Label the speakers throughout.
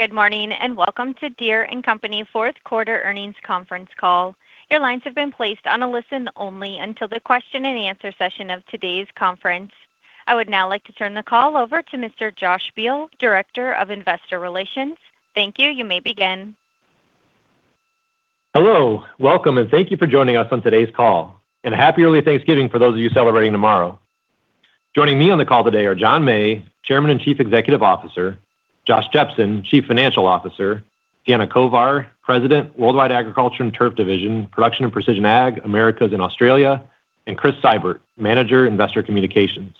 Speaker 1: Good morning and welcome to Deere & Company Fourth Quarter Earnings Conference Call. Your lines have been placed on listen-only until the question-and-answer session of today's conference. I would now like to turn the call over to Mr. Josh Beal, Director of Investor Relations. Thank you. You may begin.
Speaker 2: Hello. Welcome and thank you for joining us on today's call. A happy early Thanksgiving for those of you celebrating tomorrow. Joining me on the call today are John May, Chairman and Chief Executive Officer; Josh Jepsen, Chief Financial Officer; Deanna Kovar, President, Worldwide Agriculture and Turf Division, Production and Precision Ag, Americas and Australia; and Chris Seibert, Manager, Investor Communications.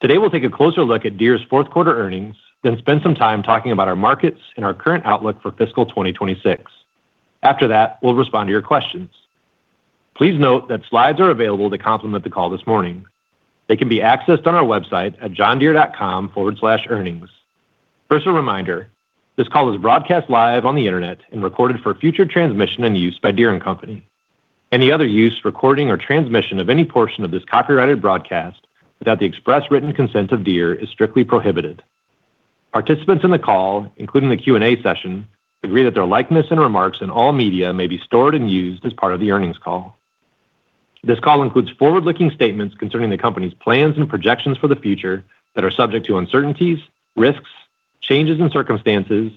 Speaker 2: Today we'll take a closer look at Deere's Fourth Quarter Earnings, then spend some time talking about our markets and our current outlook for Fiscal 2026. After that, we'll respond to your questions. Please note that slides are available to complement the call this morning. They can be accessed on our website at johndeere.com/earnings. First, a reminder, this call is broadcast live on the internet and recorded for future transmission and use by Deere & Company. Any other use, recording, or transmission of any portion of this copyrighted broadcast without the express written consent of Deere is strictly prohibited. Participants in the call, including the Q&A session, agree that their likeness and remarks in all media may be stored and used as part of the earnings call. This call includes forward-looking statements concerning the company's plans and projections for the future that are subject to uncertainties, risks, changes in circumstances,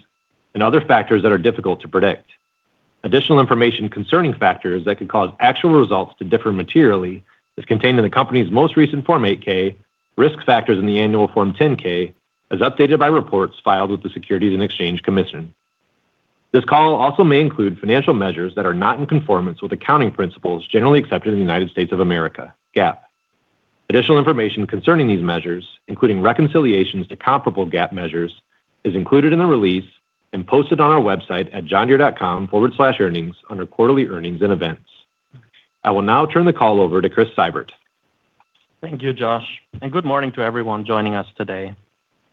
Speaker 2: and other factors that are difficult to predict. Additional information concerning factors that could cause actual results to differ materially is contained in the company's most recent Form 8-K, Risk Factors in the Annual Form 10-K, as updated by reports filed with the Securities and Exchange Commission. This call also may include financial measures that are not in conformance with accounting principles generally accepted in the United States of America, GAAP. Additional information concerning these measures, including reconciliations to comparable GAAP measures, is included in the release and posted on our website at johndeere.com/earnings under Quarterly Earnings and Events. I will now turn the call over to Chris Seibert.
Speaker 3: Thank you, Josh. Good morning to everyone joining us today.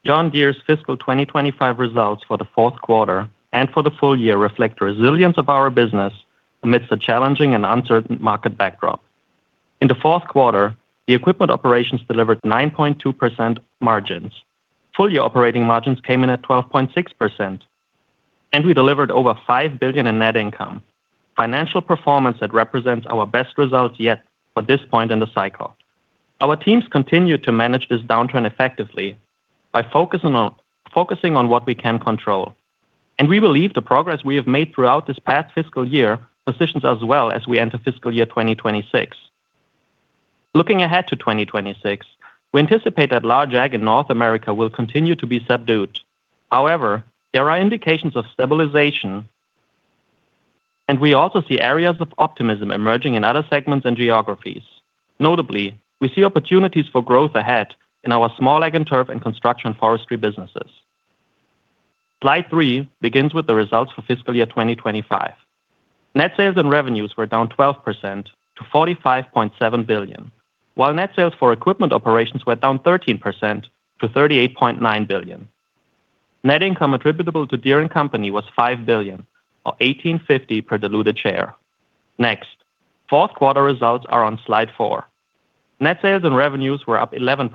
Speaker 3: John Deere's fiscal 2025 results for the fourth quarter and for the full year reflect the resilience of our business amidst a challenging and uncertain market backdrop. In the fourth quarter, the equipment operations delivered 9.2% margins. Full-year operating margins came in at 12.6%, and we delivered over $5 billion in net income, financial performance that represents our best results yet at this point in the cycle. Our teams continue to manage this downturn effectively by focusing on what we can control. We believe the progress we have made throughout this past fiscal year positions us well as we enter fiscal year 2026. Looking ahead to 2026, we anticipate that large ag in North America will continue to be subdued. However, there are indications of stabilization, and we also see areas of optimism emerging in other segments and geographies. Notably, we see opportunities for growth ahead in our small ag and turf and construction forestry businesses. Slide three begins with the results for fiscal year 2025. Net sales and revenues were down 12% to $45.7 billion, while net sales for equipment operations were down 13% to $38.9 billion. Net income attributable to Deere & Company was $5 billion, or $18.50 per diluted share. Next, fourth quarter results are on slide four. Net sales and revenues were up 11%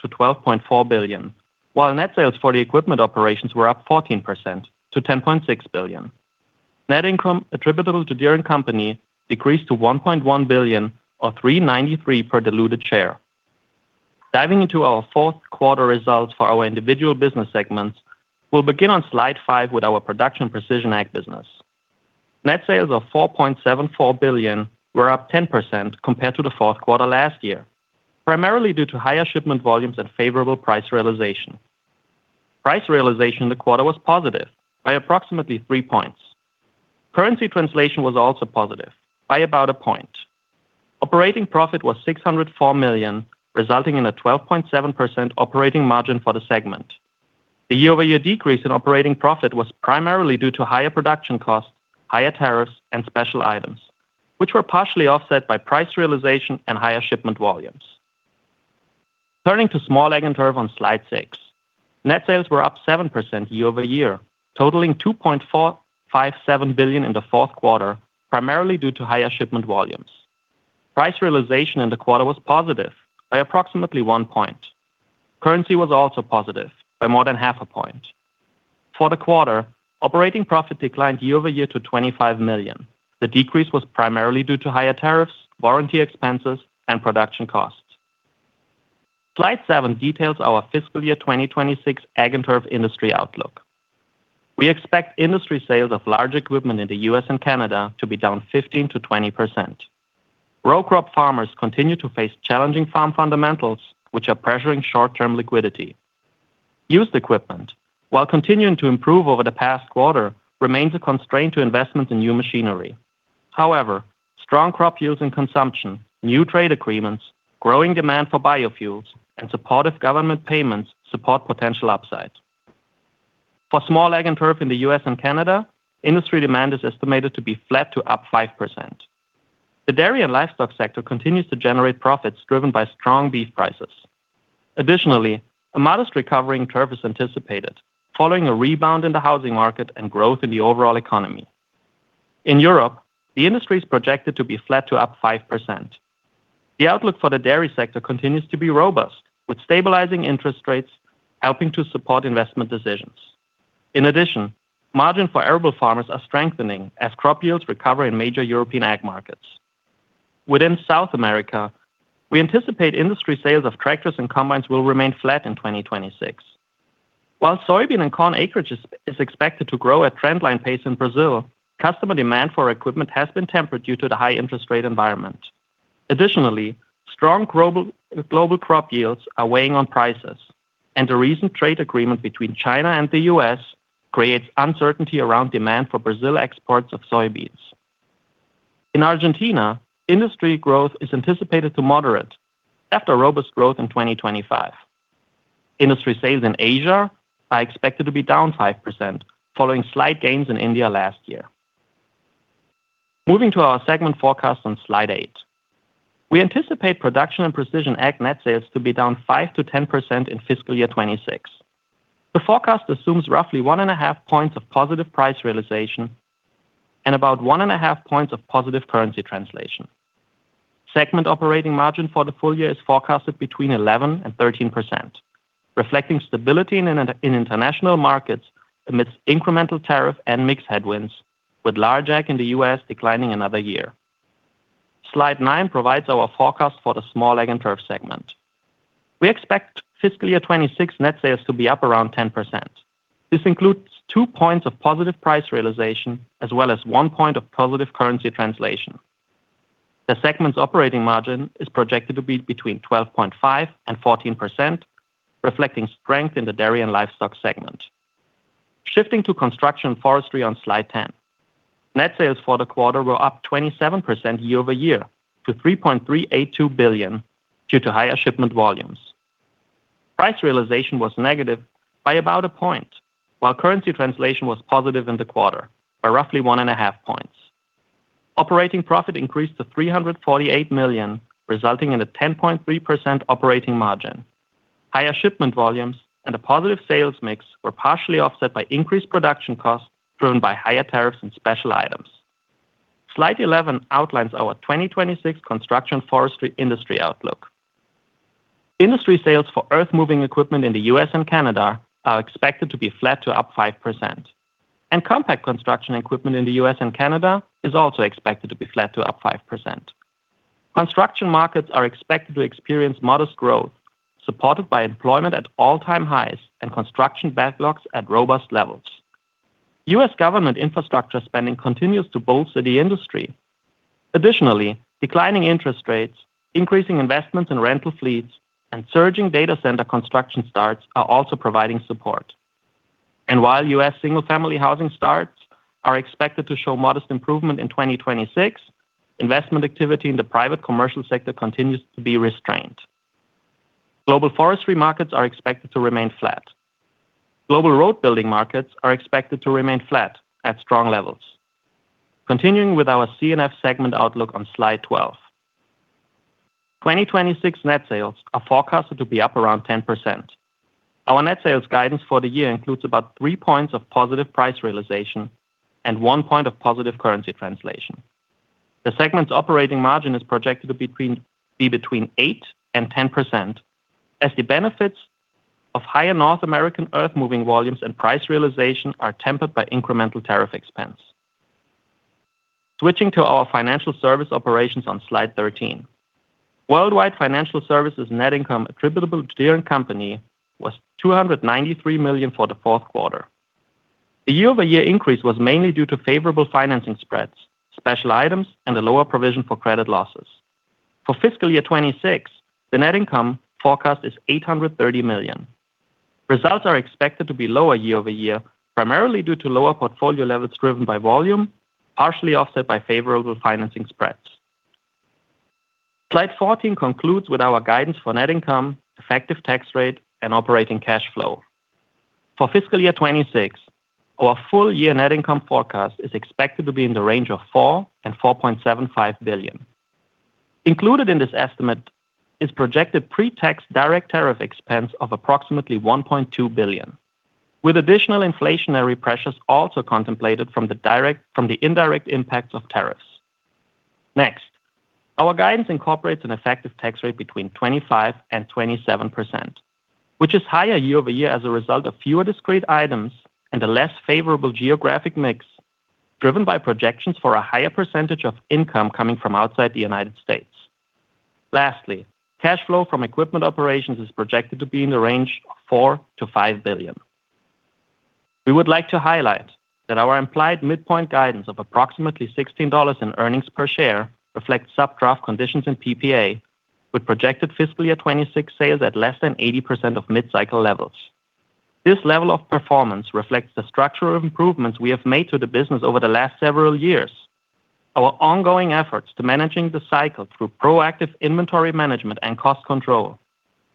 Speaker 3: to $12.4 billion, while net sales for the equipment operations were up 14% to $10.6 billion. Net income attributable to Deere & Company decreased to $1.1 billion, or $3.93 per diluted share. Diving into our fourth quarter results for our individual business segments, we'll begin on slide five with our production precision ag business. Net sales of $4.74 billion were up 10% compared to the fourth quarter last year, primarily due to higher shipment volumes and favorable price realization. Price realization in the quarter was positive by approximately three points. Currency translation was also positive by about a point. Operating profit was $604 million, resulting in a 12.7% operating margin for the segment. The year-over-year decrease in operating profit was primarily due to higher production costs, higher tariffs, and special items, which were partially offset by price realization and higher shipment volumes. Turning to small ag and turf on slide six, net sales were up 7% year-over-year, totaling $2.57 billion in the fourth quarter, primarily due to higher shipment volumes. Price realization in the quarter was positive by approximately one point. Currency was also positive by more than half a point. For the quarter, operating profit declined year-over-year to $25 million. The decrease was primarily due to higher tariffs, warranty expenses, and production costs. Slide seven details our fiscal year 2026 ag and turf industry outlook. We expect industry sales of large equipment in the U.S. and Canada to be down 15%-20%. Row crop farmers continue to face challenging farm fundamentals, which are pressuring short-term liquidity. Used equipment, while continuing to improve over the past quarter, remains a constraint to investment in new machinery. However, strong crop use and consumption, new trade agreements, growing demand for biofuels, and supportive government payments support potential upside. For small agriculture and turf in the U.S. and Canada, industry demand is estimated to be flat to up 5%. The dairy and livestock sector continues to generate profits driven by strong beef prices. Additionally, a modest recovery in turf is anticipated following a rebound in the housing market and growth in the overall economy. In Europe, the industry is projected to be flat to up 5%. The outlook for the dairy sector continues to be robust, with stabilizing interest rates helping to support investment decisions. In addition, margin for arable farmers are strengthening as crop yields recover in major European AG markets. Within South America, we anticipate industry sales of tractors and combines will remain flat in 2026. While soybean and corn acreage is expected to grow at trendline pace in Brazil, customer demand for equipment has been tempered due to the high interest rate environment. Additionally, strong global crop yields are weighing on prices, and a recent trade agreement between China and the U.S. creates uncertainty around demand for Brazil exports of Soybeans. In Argentina, industry growth is anticipated to moderate after robust growth in 2025. Industry sales in Asia are expected to be down 5% following slight gains in India last year. Moving to our segment forecast on slide eight, we anticipate production and precision ag net sales to be down 5%-10% in fiscal year 2026. The forecast assumes roughly 1.5 percentage points of positive price realization and about 1.5 percentage points of positive currency translation. Segment operating margin for the full year is forecasted between 11%-13%, reflecting stability in international markets amidst incremental tariff and mixed headwinds, with large ag in the United States declining another year. Slide nine provides our forecast for the small ag and turf segment. We expect fiscal year 2026 net sales to be up around 10%. This includes two points of positive price realization as well as one point of positive currency translation. The segment's operating margin is projected to be between 12.5% and 14%, reflecting strength in the dairy and livestock segment. Shifting to construction and forestry on slide ten, net sales for the quarter were up 27% year-over-year to $3.382 billion due to higher shipment volumes. Price realization was negative by about a point, while currency translation was positive in the quarter by roughly one and a half points. Operating profit increased to $348 million, resulting in a 10.3% operating margin. Higher shipment volumes and a positive sales mix were partially offset by increased production costs driven by higher tariffs and special items. Slide 11 outlines our 2026 Construction Forestry Industry Outlook. Industry sales for earth-moving equipment in the U.S. and Canada are expected to be flat to up 5%, and compact construction equipment in the U.S. and Canada is also expected to be flat to up 5%. Construction markets are expected to experience modest growth, supported by employment at all-time highs and construction backlogs at robust levels. U.S. Government infrastructure spending continues to bolster the industry. Additionally, declining interest rates, increasing investments in rental fleets, and surging data center construction starts are also providing support. While U.S. single-family housing starts are expected to show modest improvement in 2026, investment activity in the private commercial sector continues to be restrained. Global forestry markets are expected to remain flat. Global road building markets are expected to remain flat at strong levels. Continuing with our C&F Segment Oon slide 12, 2026 net sales are forecasted to be up around 10%. Our net sales guidance for the year includes about three points of positive price realization and one point of positive currency translation. The segment's operating margin is projected to be between 8% and 10%, as the benefits of higher North American earth-moving volumes and price realization are tempered by incremental tariff expense. Switching to our financial service operations on slide 13, worldwide financial services net income attributable to Deere & Company was $293 million for the fourth quarter. The year-over-year increase was mainly due to favorable financing spreads, special items, and a lower provision for credit losses. For fiscal year 2026, the net income forecast is $830 million. Results are expected to be lower year-over-year, primarily due to lower portfolio levels driven by volume, partially offset by favorable financing spreads. Slide 14 concludes with our guidance for net income, effective tax rate, and operating cash flow. For fiscal year 2026, our full-year net income forecast is expected to be in the range of $4 billion-$4.75 billion. Included in this estimate is projected pre-tax direct tariff expense of approximately $1.2 billion, with additional inflationary pressures also contemplated from the indirect impacts of tariffs. Next, our guidance incorporates an effective tax rate between 25%-27%, which is higher year-over-year as a result of fewer discrete items and a less favorable geographic mix driven by projections for a higher percentage of income coming from outside the United States. Lastly, cash flow from equipment operations is projected to be in the range of $4 billion-$5 billion. We would like to highlight that our implied midpoint guidance of approximately $16 in earnings per share reflects subgraph conditions in PPA, with projected fiscal year 2026 sales at less than 80% of mid-cycle levels. This level of performance reflects the structural improvements we have made to the business over the last several years, our ongoing efforts to manage the cycle through proactive inventory management and cost control,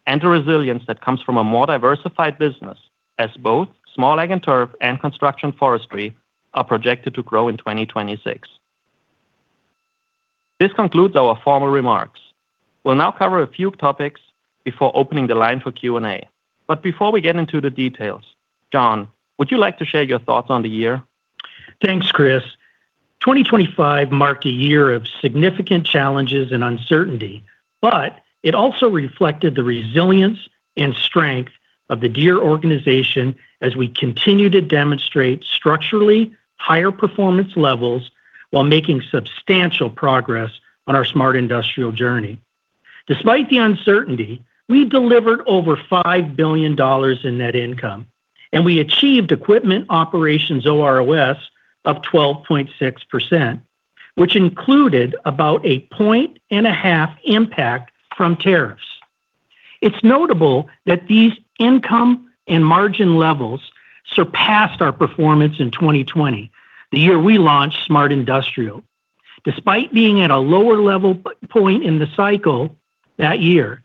Speaker 3: and the resilience that comes from a more diversified business as both small ag and turf and construction forestry are projected to grow in 2026. This concludes our formal remarks. We'll now cover a few topics before opening the line for Q&A. Before we get into the details, John, would you like to share your thoughts on the year?
Speaker 4: Thanks, Chris. 2025 marked a year of significant challenges and uncertainty, but it also reflected the resilience and strength of the Deere Organization as we continue to demonstrate structurally higher performance levels while making substantial progress on our smart industrial journey. Despite the uncertainty, we delivered over $5 billion in net income, and we achieved equipment operations OROS of 12.6%, which included about a point and a half impact from tariffs. It's notable that these income and margin levels surpassed our performance in 2020, the year we launched Smart Industrial. Despite being at a lower level point in the cycle that year,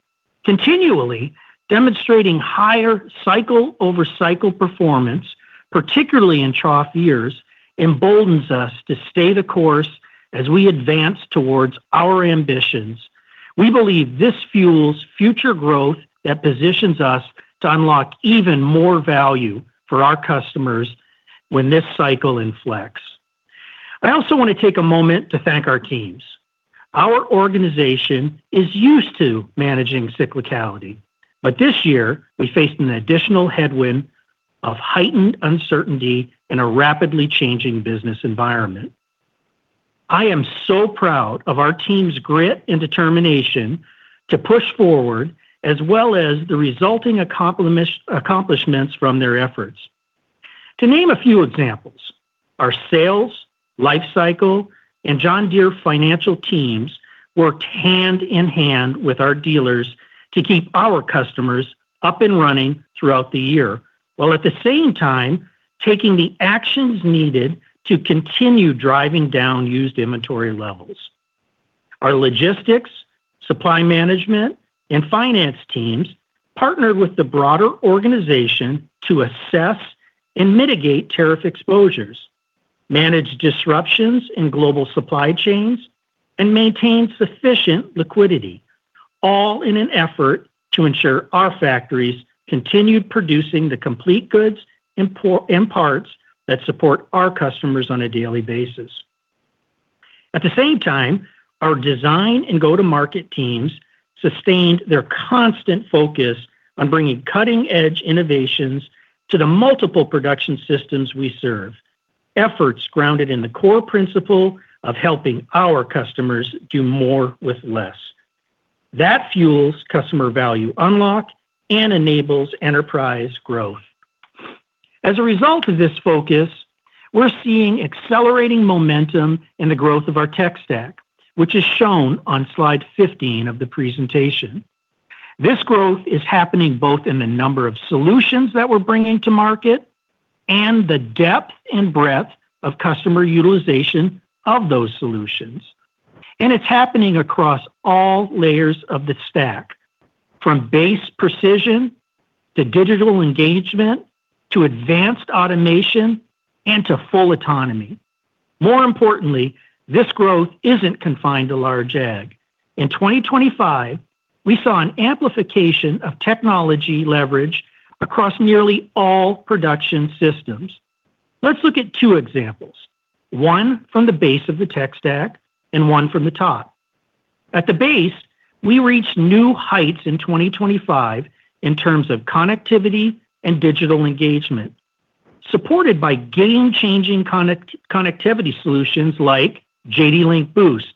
Speaker 4: continually demonstrating higher cycle-over-cycle performance, particularly in trough years, emboldens us to stay the course as we advance towards our ambitions. We believe this fuels future growth that positions us to unlock even more value for our customers when this cycle inflects. I also want to take a moment to thank our teams. Our organization is used to managing cyclicality, but this year we faced an additional headwind of heightened uncertainty in a rapidly changing business environment. I am so proud of our team's grit and determination to push forward, as well as the resulting accomplishments from their efforts. To name a few examples, our sales, life cycle, and John Deere Financial Teams worked hand in hand with our dealers to keep our customers up and running throughout the year, while at the same time taking the actions needed to continue driving down used inventory levels. Our logistics, supply management, and finance teams partnered with the broader organization to assess and mitigate tariff exposures, manage disruptions in global supply chains, and maintain sufficient liquidity, all in an effort to ensure our factories continued producing the complete goods and parts that support our customers on a daily basis. At the same time, our design and go-to-market teams sustained their constant focus on bringing cutting-edge innovations to the multiple production systems we serve, efforts grounded in the core principle of helping our customers do more with less. That fuels customer value unlock and enables enterprise growth. As a result of this focus, we're seeing accelerating momentum in the growth of our tech stack, which is shown on slide 15 of the presentation. This growth is happening both in the number of solutions that we're bringing to market and the depth and breadth of customer utilization of those solutions. It's happening across all layers of the stack, from base precision to digital engagement to advanced automation and to full autonomy. More importantly, this growth isn't confined to large AG. In 2025, we saw an amplification of technology leverage across nearly all production systems. Let's look at two examples, one from the base of the tech stack and one from the top. At the base, we reached new heights in 2025 in terms of connectivity and digital engagement, supported by game-changing connectivity solutions like JD Link Boost,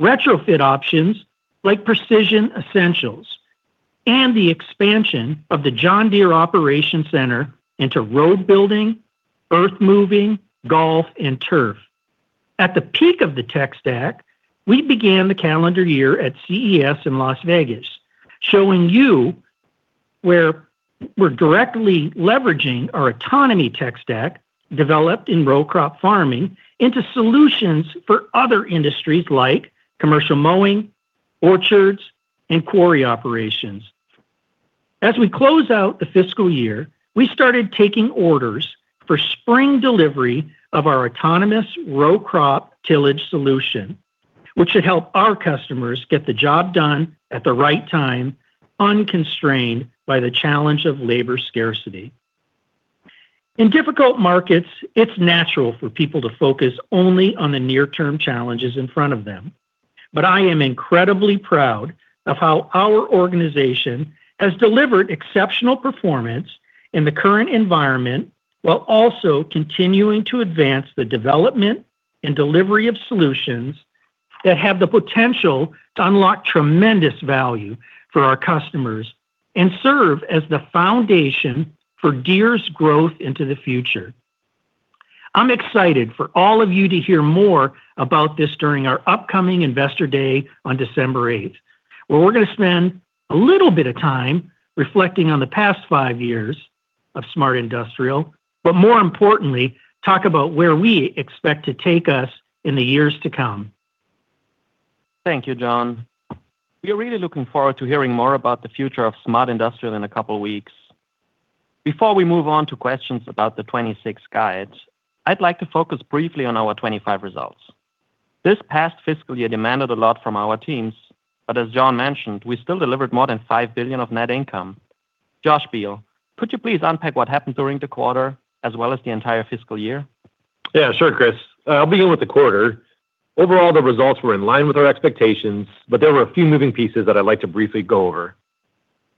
Speaker 4: retrofit options like Precision Essentials, and the expansion of the John Deere Operations Center into road building, earth-moving, golf, and turf. At the peak of the tech stack, we began the calendar year at CES in Las Vegas, showing you where we're directly leveraging our autonomy tech stack developed in row crop farming into solutions for other industries like commercial mowing, orchards, and quarry operations. As we close out the fiscal year, we started taking orders for spring delivery of our autonomous row crop tillage solution, which should help our customers get the job done at the right time, unconstrained by the challenge of labor scarcity. In difficult markets, it's natural for people to focus only on the near-term challenges in front of them. I am incredibly proud of how our organization has delivered exceptional performance in the current environment while also continuing to advance the development and delivery of solutions that have the potential to unlock tremendous value for our customers and serve as the foundation for Deere's growth into the future. I'm excited for all of you to hear more about this during our upcoming Investor Day on December 8th, where we're going to spend a little bit of time reflecting on the past five years of smart industrial, but more importantly, talk about where we expect to take us in the years to come.
Speaker 3: Thank you, John. We are really looking forward to hearing more about the future of smart industrial in a couple of weeks. Before we move on to questions about the 2026 guide, I'd like to focus briefly on our 2025 results. This past fiscal year demanded a lot from our teams, but as John mentioned, we still delivered more than $5 billion of net income. Josh Beal, could you please unpack what happened during the quarter as well as the entire fiscal year?
Speaker 2: Yeah, sure, Chris. I'll begin with the quarter. Overall, the results were in line with our expectations, but there were a few moving pieces that I'd like to briefly go over.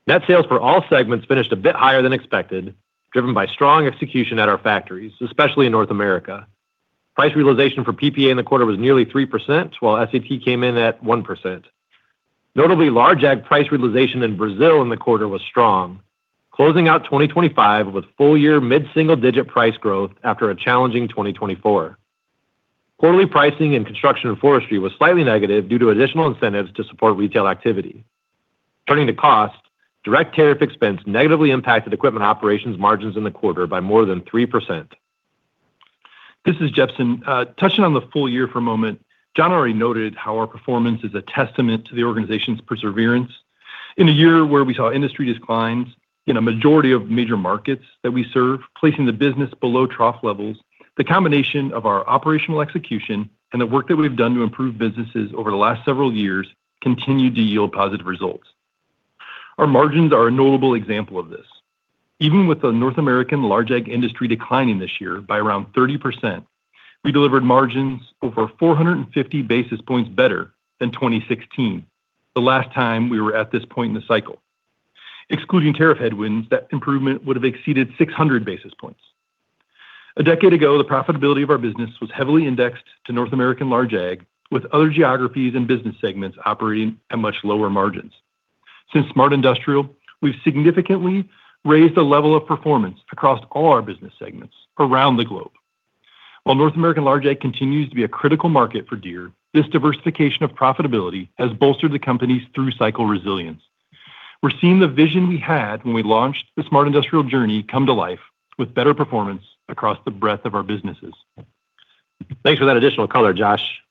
Speaker 2: Net sales for all segments finished a bit higher than expected, driven by strong execution at our factories, especially in North America. Price realization for PPA in the quarter was nearly 3%, while SAT came in at 1%. Notably, large AG price realization in Brazil in the quarter was strong, closing out 2025 with full-year mid-single-digit price growth after a challenging 2024. Quarterly pricing in construction and forestry was slightly negative due to additional incentives to support retail activity. Turning to cost, direct tariff expense negatively impacted equipment operations margins in the quarter by more than 3%. This is Jepsen. Touching on the full year for a moment, John already noted how our performance is a testament to the organization's perseverance. In a year where we saw industry declines in a majority of major markets that we serve, placing the business below trough levels, the combination of our operational execution and the work that we've done to improve businesses over the last several years continued to yield positive results. Our margins are a notable example of this. Even with the North American large Agri industry declining this year by around 30%, we delivered margins over 450 basis points better than 2016, the last time we were at this point in the cycle. Excluding tariff headwinds, that improvement would have exceeded 600 basis points. A decade ago, the profitability of our business was heavily indexed to North American large AG, with other geographies and business segments operating at much lower margins. Since smart industrial, we've significantly raised the level of performance across all our business segments around the globe. While North American large AG continues to be a critical market for Deere, this diversification of profitability has bolstered the company's through-cycle resilience. We're seeing the vision we had when we launched the smart industrial journey come to life with better performance across the breadth of our businesses.
Speaker 3: Thanks for that additional color, Josh.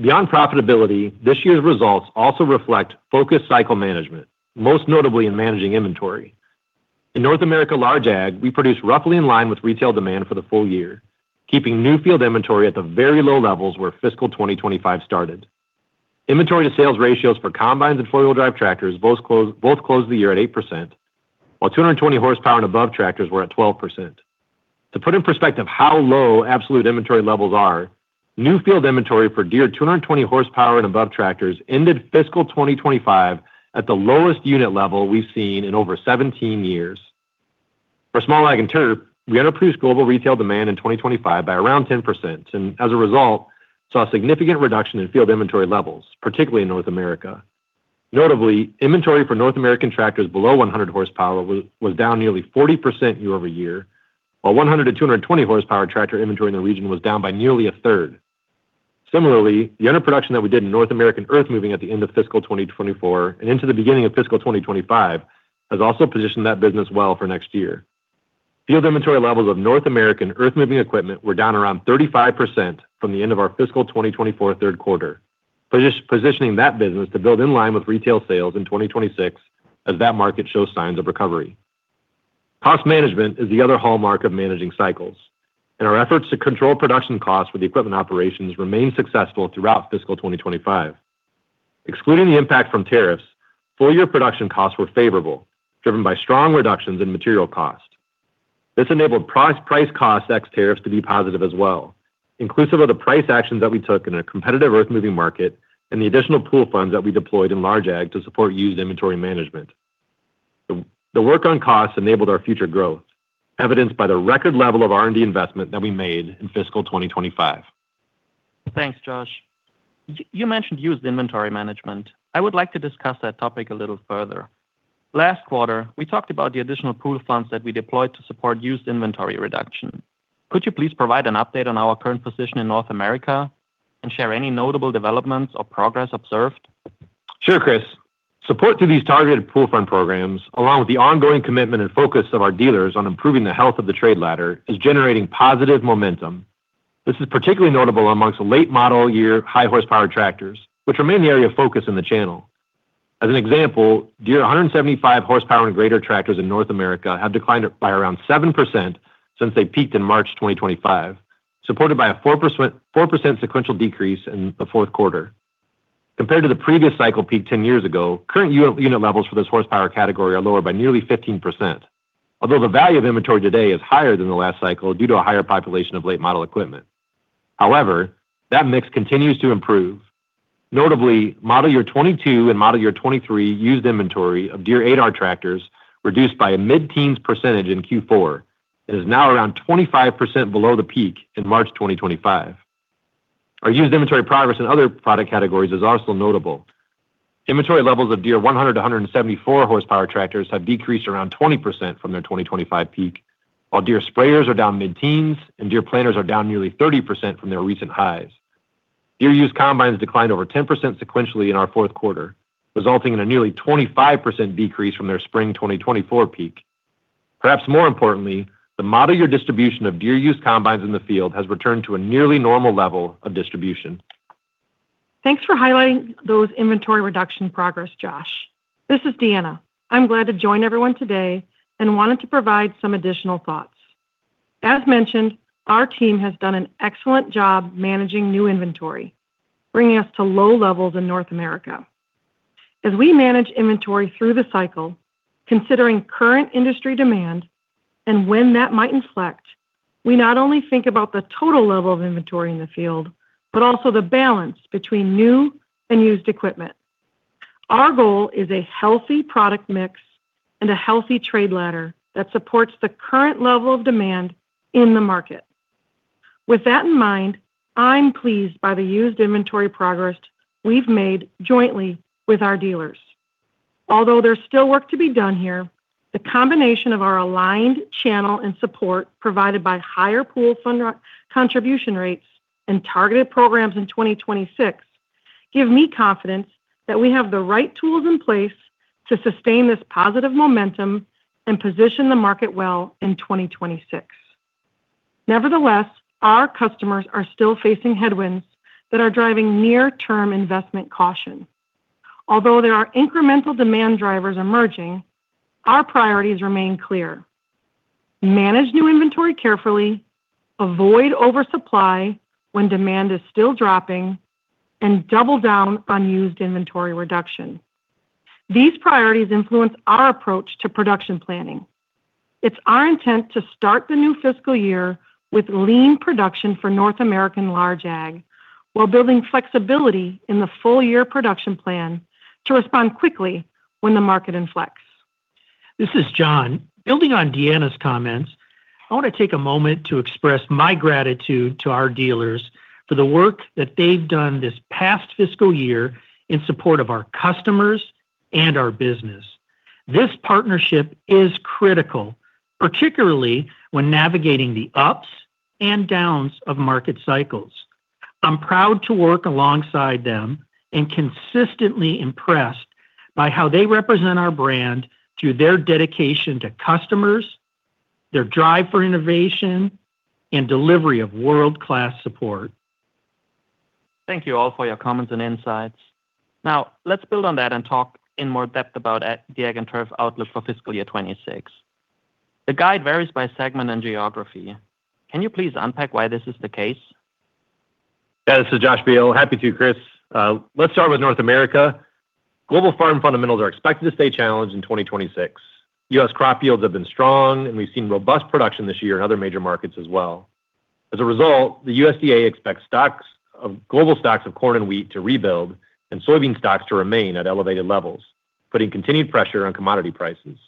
Speaker 3: Beyond profitability, this year's results also reflect focused cycle management, most notably in managing inventory. In North America large AG, we produced roughly in line with retail demand for the full year, keeping new field inventory at the very low levels where fiscal 2025 started. Inventory-to-sales ratios for combines and four-wheel drive tractors both closed the year at 8%, while 220 horsepower and above tractors were at 12%. To put in perspective how low absolute inventory levels are, new field inventory for Deere 220 horsepower and above tractors ended fiscal 2025 at the lowest unit level we've seen in over 17 years. For small ag and turf, we underproduced global retail demand in 2025 by around 10%, and as a result, saw a significant reduction in field inventory levels, particularly in North America. Notably, inventory for North American tractors below 100 horsepower was down nearly 40% year over year, while 100-220 horsepower tractor inventory in the region was down by nearly a third. Similarly, the underproduction that we did in North American earth-moving at the end of fiscal 2024 and into the beginning of fiscal 2025 has also positioned that business well for next year. Field inventory levels of North American earth-moving equipment were down around 35% from the end of our fiscal 2024 third quarter, positioning that business to build in line with retail sales in 2026 as that market shows signs of recovery. Cost management is the other hallmark of managing cycles, and our efforts to control production costs for the equipment operations remained successful throughout fiscal 2025. Excluding the impact from tariffs, full-year production costs were favorable, driven by strong reductions in material cost. This enabled price-cost x tariffs to be positive as well, inclusive of the price actions that we took in a competitive earth-moving market and the additional pool funds that we deployed in large ag to support used inventory management. The work on costs enabled our future growth, evidenced by the record level of R&D investment that we made in fiscal 2025. Thanks, Josh. You mentioned used inventory management. I would like to discuss that topic a little further. Last quarter, we talked about the additional pool funds that we deployed to support used inventory reduction. Could you please provide an update on our current position in North America and share any notable developments or progress observed?
Speaker 2: Sure, Chris. Support to these targeted pool fund programs, along with the ongoing commitment and focus of our dealers on improving the health of the trade ladder, is generating positive momentum. This is particularly notable amongst late model year high horsepower tractors, which remain the area of focus in the channel. As an example, Deere 175 horsepower and greater tractors in North America have declined by around 7% since they peaked in March 2025, supported by a 4% sequential decrease in the fourth quarter. Compared to the previous cycle peak 10 years ago, current unit levels for this horsepower category are lower by nearly 15%, although the value of inventory today is higher than the last cycle due to a higher population of late model equipment. However, that mix continues to improve. Notably, model year 2022 and model year 2023 used inventory of Deere 8R Tractors reduced by a mid-teens % in Q4 and is now around 25% below the peak in March 2025. Our used inventory progress in other product categories is also notable. Inventory levels of Deere 100 to 174 horsepower tractors have decreased around 20% from their 2025 peak, while Deere Sprayers are down mid-teens % and Deere planters are down nearly 30% from their recent highs. Deere used combines declined over 10% sequentially in our fourth quarter, resulting in a nearly 25% decrease from their spring 2024 peak. Perhaps more importantly, the model year distribution of Deere used combines in the field has returned to a nearly normal level of distribution.
Speaker 5: Thanks for highlighting those inventory reduction progress, Josh. This is Deanna. I'm glad to join everyone today and wanted to provide some additional thoughts. As mentioned, our team has done an excellent job managing new inventory, bringing us to low levels in North America. As we manage inventory through the cycle, considering current industry demand and when that might inflect, we not only think about the total level of inventory in the field, but also the balance between new and used equipment. Our goal is a healthy product mix and a healthy trade ladder that supports the current level of demand in the market. With that in mind, I'm pleased by the used inventory progress we've made jointly with our dealers. Although there's still work to be done here, the combination of our aligned channel and support provided by higher pool fund contribution rates and targeted programs in 2026 gives me confidence that we have the right tools in place to sustain this positive momentum and position the market well in 2026. Nevertheless, our customers are still facing headwinds that are driving near-term investment caution. Although there are incremental demand drivers emerging, our priorities remain clear: manage new inventory carefully, avoid oversupply when demand is still dropping, and double down on used inventory reduction. These priorities influence our approach to production planning. It's our intent to start the new fiscal year with lean production for North American large ag while building flexibility in the full-year production plan to respond quickly when the market inflects.
Speaker 4: This is John. Building on Deanna's comments, I want to take a moment to express my gratitude to our dealers for the work that they've done this past fiscal year in support of our customers and our business. This partnership is critical, particularly when navigating the ups and downs of market cycles. I'm proud to work alongside them and consistently impressed by how they represent our brand through their dedication to customers, their drive for innovation, and delivery of world-class support.
Speaker 3: Thank you all for your comments and insights. Now, let's build on that and talk in more depth about the ag and turf outlook for fiscal year 2026. The guide varies by segment and geography. Can you please unpack why this is the case?
Speaker 2: Yeah, this is Josh Beal. Happy to, Chris. Let's start with North America. Global farm fundamentals are expected to stay challenged in 2026. U.S. crop yields have been strong, and we've seen robust production this year in other major markets as well. As a result, the USDA expects global stocks of corn and wheat to rebuild and soybean stocks to remain at elevated levels, putting continued pressure on commodity prices.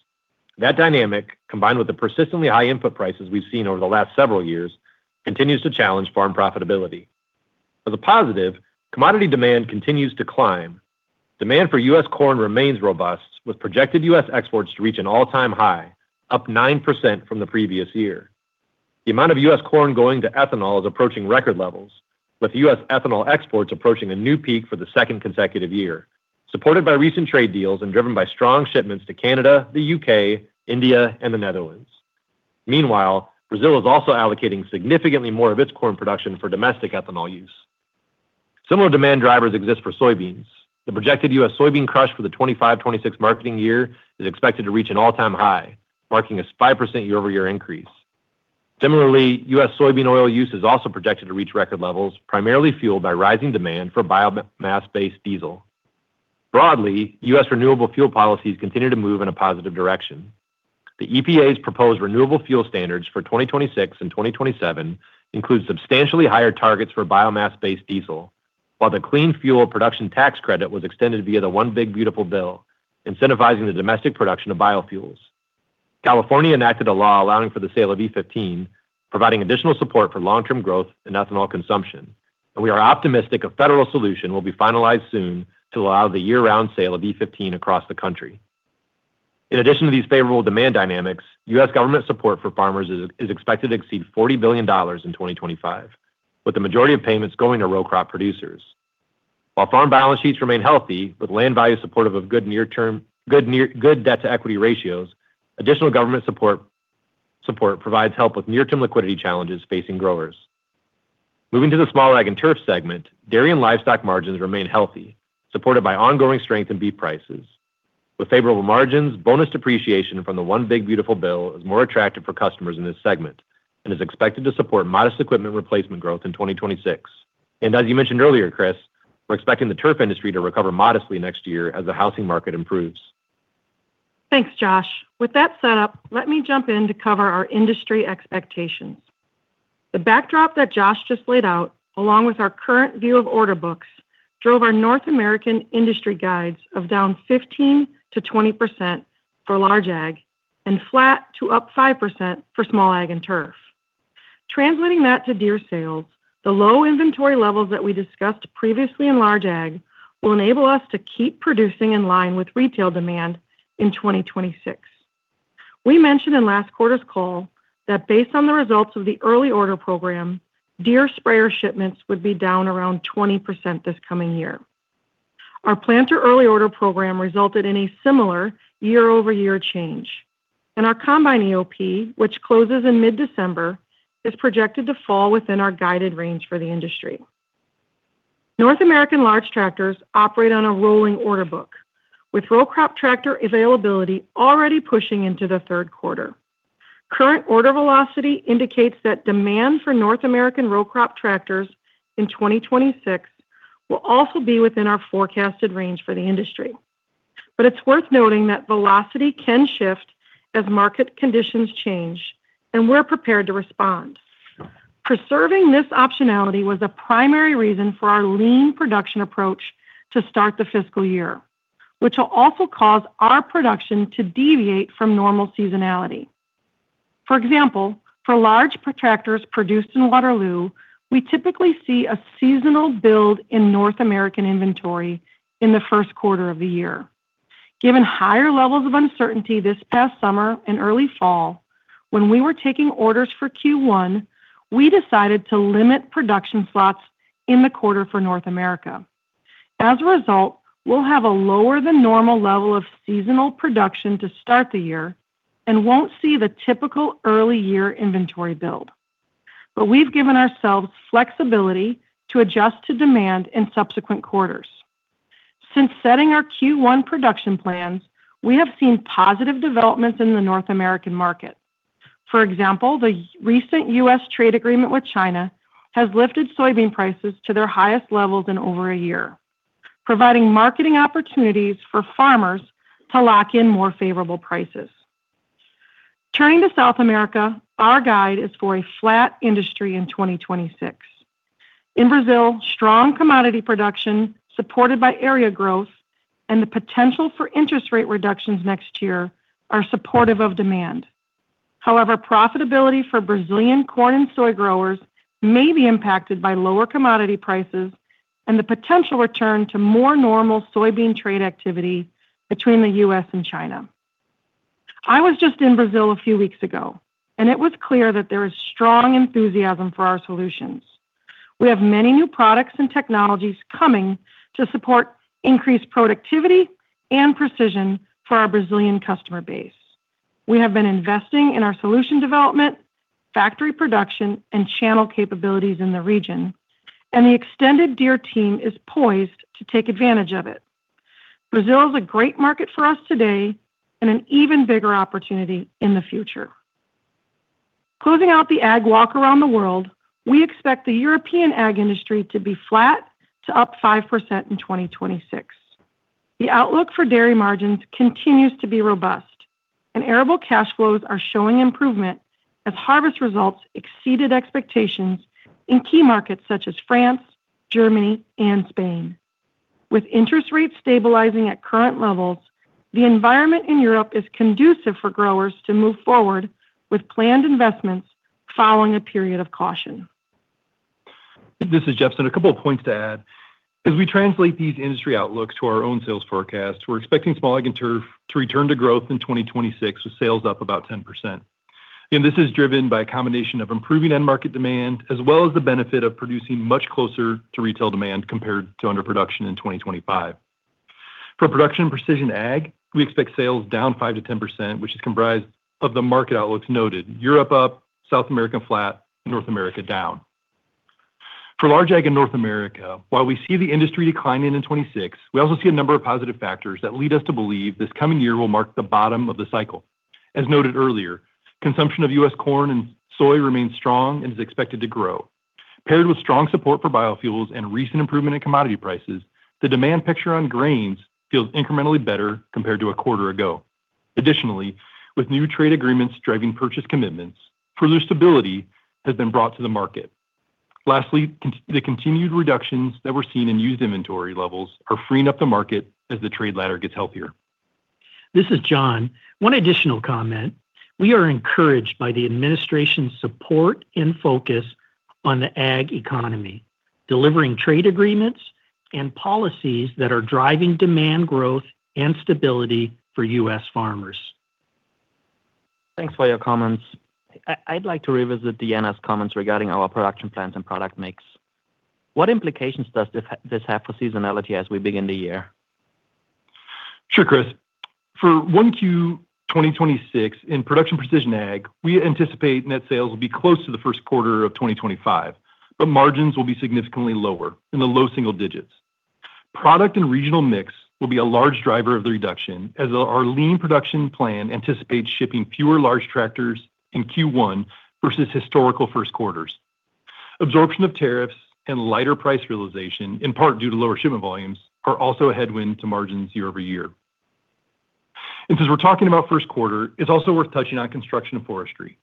Speaker 2: That dynamic, combined with the persistently high input prices we've seen over the last several years, continues to challenge farm profitability. As a positive, commodity demand continues to climb. Demand for U.S. corn remains robust, with projected U.S. exports to reach an all-time high, up 9% from the previous year. The amount of U.S. corn going to ethanol is approaching record levels, with U.S. Ethanol exports approaching a new peak for the second consecutive year, supported by recent trade deals and driven by strong shipments to Canada, the U.K., India, and the Netherlands. Meanwhile, Brazil is also allocating significantly more of its corn production for domestic ethanol use. Similar demand drivers exist for soybeans. The projected U.S. soybean crush for the 2025-2026 marketing year is expected to reach an all-time high, marking a 5% year-over-year increase. Similarly, U.S. soybean oil use is also projected to reach record levels, primarily fueled by rising demand for biomass-based diesel. Broadly, U.S. renewable fuel policies continue to move in a positive direction. The EPA's proposed renewable fuel standards for 2026 and 2027 include substantially higher targets for biomass-based diesel, while the Clean Fuel Production Tax Credit was extended via the One Big Beautiful Bill, incentivizing the domestic production of biofuels. California enacted a law allowing for the sale of E15, providing additional support for long-term growth in ethanol consumption, and we are optimistic a federal solution will be finalized soon to allow the year-round sale of E15 across the country. In addition to these favorable demand dynamics, U.S. government support for farmers is expected to exceed $40 billion in 2025, with the majority of payments going to row crop producers. While farm balance sheets remain healthy, with land values supportive of good debt-to-equity ratios, additional government support provides help with near-term liquidity challenges facing growers. Moving to the small ag and turf segment, dairy and livestock margins remain healthy, supported by ongoing strength in beef prices. With favorable margins, bonus depreciation from the One Big Beautiful Bill is more attractive for customers in this segment and is expected to support modest equipment replacement growth in 2026. As you mentioned earlier, Chris, we're expecting the turf industry to recover modestly next year as the housing market improves.
Speaker 5: Thanks, Josh. With that set up, let me jump in to cover our industry expectations. The backdrop that Josh just laid out, along with our current view of order books, drove our North American industry guides of down 15%-20% for large ag and flat to up 5% for small ag and turf. Translating that to Deere sales, the low inventory levels that we discussed previously in large ag will enable us to keep producing in line with retail demand in 2026. We mentioned in last quarter's call that based on the results of the early order program, Deere sprayer shipments would be down around 20% this coming year. Our planter early order program resulted in a similar year-over-year change, and our combine EOP, which closes in Mid-December, is projected to fall within our guided range for the industry. North American large tractors operate on a rolling order book, with row crop tractor availability already pushing into the third quarter. Current order velocity indicates that demand for North American row crop tractors in 2026 will also be within our forecasted range for the industry. It is worth noting that velocity can shift as market conditions change, and we're prepared to respond. Preserving this optionality was a primary reason for our lean production approach to start the fiscal year, which will also cause our production to deviate from normal seasonality. For example, for large tractors produced in Waterloo, we typically see a seasonal build in North American inventory in the first quarter of the year. Given higher levels of uncertainty this past summer and early fall, when we were taking orders for Q1, we decided to limit production slots in the quarter for North America. As a result, we'll have a lower than normal level of seasonal production to start the year and won't see the typical early year inventory build. We have given ourselves flexibility to adjust to demand in subsequent quarters. Since setting our Q1 production plans, we have seen positive developments in the North American market. For example, the recent U.S. trade agreement with China has lifted soybean prices to their highest levels in over a year, providing marketing opportunities for farmers to lock in more favorable prices. Turning to South America, our guide is for a flat industry in 2026. In Brazil, strong commodity production supported by area growth and the potential for interest rate reductions next year are supportive of demand. However, profitability for Brazilian corn and soy growers may be impacted by lower commodity prices and the potential return to more normal soybean trade activity between the U.S. and China. I was just in Brazil a few weeks ago, and it was clear that there is strong enthusiasm for our solutions. We have many new products and technologies coming to support increased productivity and precision for our Brazilian customer base. We have been investing in our solution development, factory production, and channel capabilities in the region, and the extended Deere team is poised to take advantage of it. Brazil is a great market for us today and an even bigger opportunity in the future. Closing out the ag walk around the world, we expect the European ag industry to be flat to up 5% in 2026. The outlook for dairy margins continues to be robust, and arable cash flows are showing improvement as harvest results exceeded expectations in key markets such as France, Germany, and Spain. With interest rates stabilizing at current levels, the environment in Europe is conducive for growers to move forward with planned investments following a period of caution.
Speaker 6: This is Jepsen. A couple of points to add. As we translate these industry outlooks to our own sales forecast, we're expecting small ag and turf to return to growth in 2026 with sales up about 10%. This is driven by a combination of improving end-market demand as well as the benefit of producing much closer to retail demand compared to underproduction in 2025. For production and precision ag, we expect sales down 5%-10%, which is comprised of the market outlooks noted: Europe up, South America flat, and North America down. For large AG in North America, while we see the industry declining in 2026, we also see a number of positive factors that lead us to believe this coming year will mark the bottom of the cycle. As noted earlier, consumption of U.S. corn and soy remains strong and is expected to grow. Paired with strong support for biofuels and recent improvement in commodity prices, the demand picture on grains feels incrementally better compared to a quarter ago. Additionally, with new trade agreements driving purchase commitments, further stability has been brought to the market. Lastly, the continued reductions that we're seeing in used inventory levels are freeing up the market as the trade ladder gets healthier.
Speaker 4: This is John. One additional comment. We are encouraged by the administration's support and focus on the ag economy, delivering trade agreements and policies that are driving demand growth and stability for U.S. farmers.
Speaker 3: Thanks for your comments. I'd like to revisit Deanna's comments regarding our production plans and product mix. What implications does this have for seasonality as we begin the year?
Speaker 6: Sure, Chris. For Q1 2026, in production precision ag, we anticipate net sales will be close to the first quarter of 2025, but margins will be significantly lower in the low single digits. Product and regional mix will be a large driver of the reduction as our lean production plan anticipates shipping fewer large tractors in Q1 versus historical first quarters. Absorption of tariffs and lighter price realization, in part due to lower shipment volumes, are also a headwind to margins year over year. Since we're talking about first quarter, it's also worth touching on construction and forestry.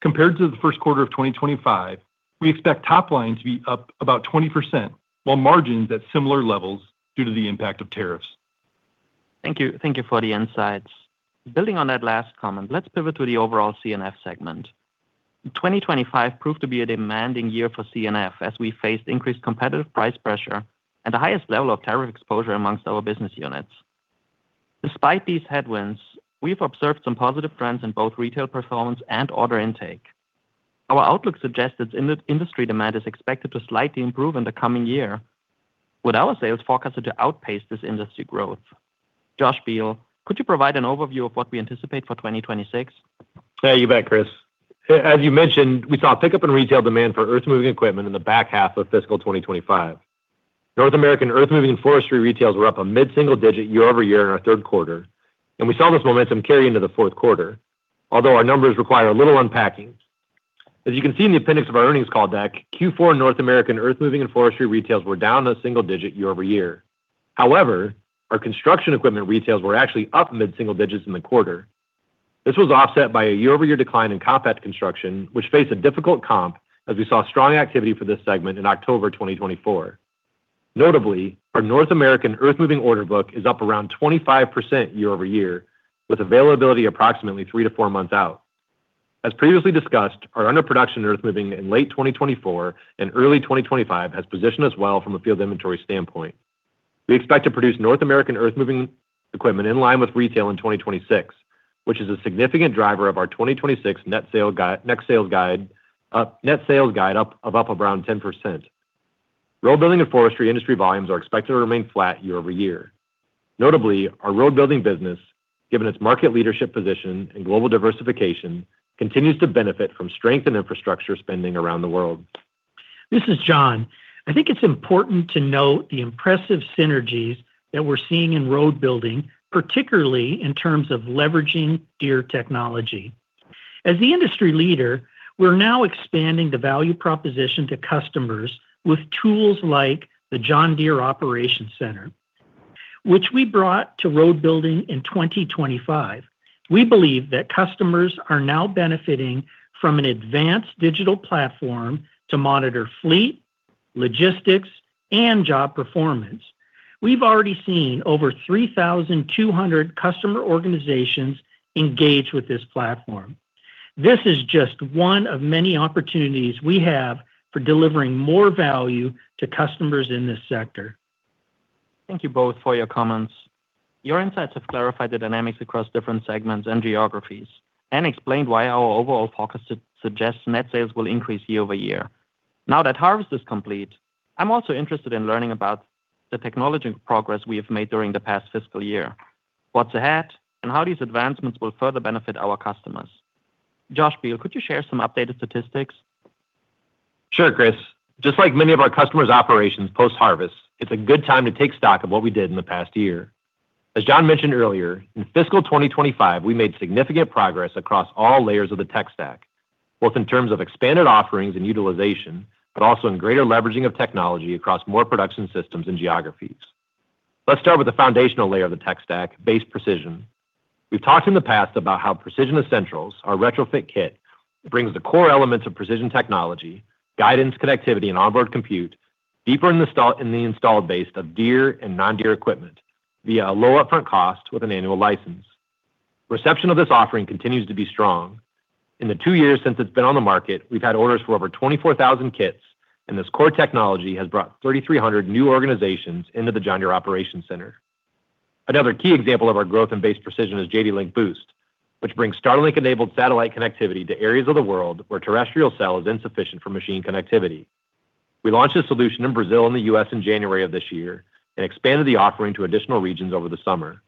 Speaker 6: Compared to the first quarter of 2025, we expect top line to be up about 20%, while margins at similar levels due to the impact of tariffs.
Speaker 3: Thank you. Thank you for the insights. Building on that last comment, let's pivot to the overall C&F segment. 2025 proved to be a demanding year for C&F as we faced increased competitive price pressure and the highest level of tariff exposure among our business units. Despite these headwinds, we've observed some positive trends in both retail performance and order intake. Our outlook suggests that industry demand is expected to slightly improve in the coming year, with our sales forecasted to outpace this industry growth. Josh Beal, could you provide an overview of what we anticipate for 2026?
Speaker 2: Yeah, you bet, Chris. As you mentioned, we saw a pickup in retail demand for earth-moving equipment in the back half of fiscal 2025. North American earth-moving and forestry retails were up a mid-single digit year over year in our third quarter, and we saw this momentum carry into the fourth quarter, although our numbers require a little unpacking. As you can see in the appendix of our earnings call deck, Q4 North American earth-moving and forestry retails were down a single digit year over year. However, our construction equipment retails were actually up mid-single digits in the quarter. This was offset by a year-over-year decline in compact construction, which faced a difficult comp as we saw strong activity for this segment in October 2024. Notably, our North American earth-moving order book is up around 25% year over year, with availability approximately three to four months out. As previously discussed, our underproduction earth-moving in late 2024 and early 2025 has positioned us well from a field inventory standpoint. We expect to produce North American earth-moving equipment in line with retail in 2026, which is a significant driver of our 2026 net sales guide up of up around 10%. Road building and forestry industry volumes are expected to remain flat year over year. Notably, our road building business, given its market leadership position and global diversification, continues to benefit from strength in infrastructure spending around the world.
Speaker 4: This is John. I think it's important to note the impressive synergies that we're seeing in road building, particularly in terms of leveraging Deere technology. As the industry leader, we're now expanding the value proposition to customers with tools like the John Deere Operations Center, which we brought to road building in 2025. We believe that customers are now benefiting from an advanced digital platform to monitor fleet, logistics, and job performance. We've already seen over 3,200 customer organizations engage with this platform. This is just one of many opportunities we have for delivering more value to customers in this sector.
Speaker 3: Thank you both for your comments. Your insights have clarified the dynamics across different segments and geographies and explained why our overall forecast suggests net sales will increase year over year. Now that harvest is complete, I'm also interested in learning about the technological progress we have made during the past fiscal year. What's ahead, and how these advancements will further benefit our customers? Josh Beale, could you share some updated statistics?
Speaker 2: Sure, Chris. Just like many of our customers' operations post-harvest, it's a good time to take stock of what we did in the past year. As John mentioned earlier, in fiscal 2025, we made significant progress across all layers of the tech stack, both in terms of expanded offerings and utilization, but also in greater leveraging of technology across more production systems and geographies. Let's start with the foundational layer of the tech stack, base precision. We've talked in the past about how Precision Essentials, our retrofit kit, brings the core elements of precision technology, guidance, connectivity, and onboard compute deeper in the installed base of Deere and non-Deere equipment via a low upfront cost with an annual license. Reception of this offering continues to be strong. In the two years since it's been on the market, we've had orders for over 24,000 kits, and this core technology has brought 3,300 new organizations into the John Deere Operations Center. Another key example of our growth in base precision is JDLink Boost, which brings Starlink-enabled satellite connectivity to areas of the world where terrestrial cell is insufficient for machine connectivity. We launched a solution in Brazil and the U.S. in January of this year and expanded the offering to additional regions over the summer.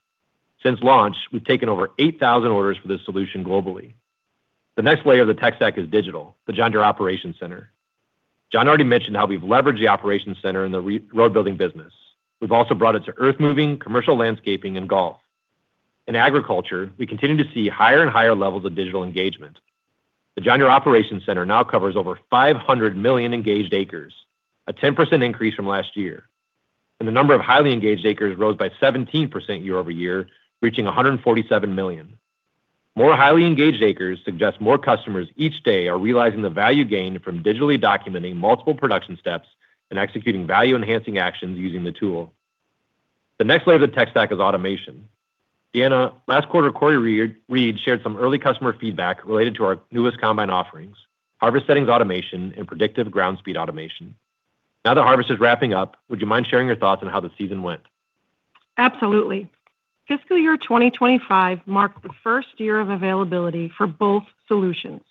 Speaker 2: Since launch, we've taken over 8,000 orders for this solution globally. The next layer of the tech stack is digital, the John Deere Operations Center. John already mentioned how we've leveraged the Operations Center in the road building business. We've also brought it to earth-moving, commercial landscaping, and golf. In agriculture, we continue to see higher and higher levels of digital engagement. The John Deere Operations Center now covers over 500 million engaged acres, a 10% increase from last year. The number of highly engaged acres rose by 17% year over year, reaching 147 million. More highly engaged acres suggest more customers each day are realizing the value gain from digitally documenting multiple production steps and executing value-enhancing actions using the tool. The next layer of the tech stack is automation. Deanna, last quarter, Cory Reed shared some early customer feedback related to our newest combine offerings, harvest settings automation, and predictive ground speed automation. Now that harvest is wrapping up, would you mind sharing your thoughts on how the season went?
Speaker 5: Absolutely. Fiscal year 2025 marked the first year of availability for both solutions.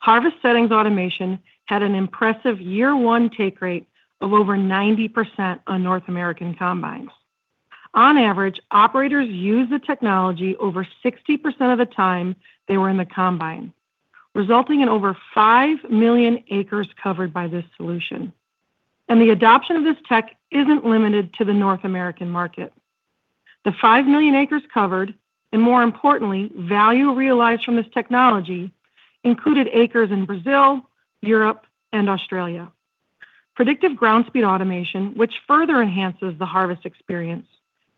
Speaker 5: Harvest settings automation had an impressive year-one take rate of over 90% on North American combines. On average, operators used the technology over 60% of the time they were in the combine, resulting in over 5 million acres covered by this solution. The adoption of this tech is not limited to the North American market. The 5 million acres covered, and more importantly, value realized from this technology included acres in Brazil, Europe, and Australia. Predictive ground speed automation, which further enhances the harvest experience,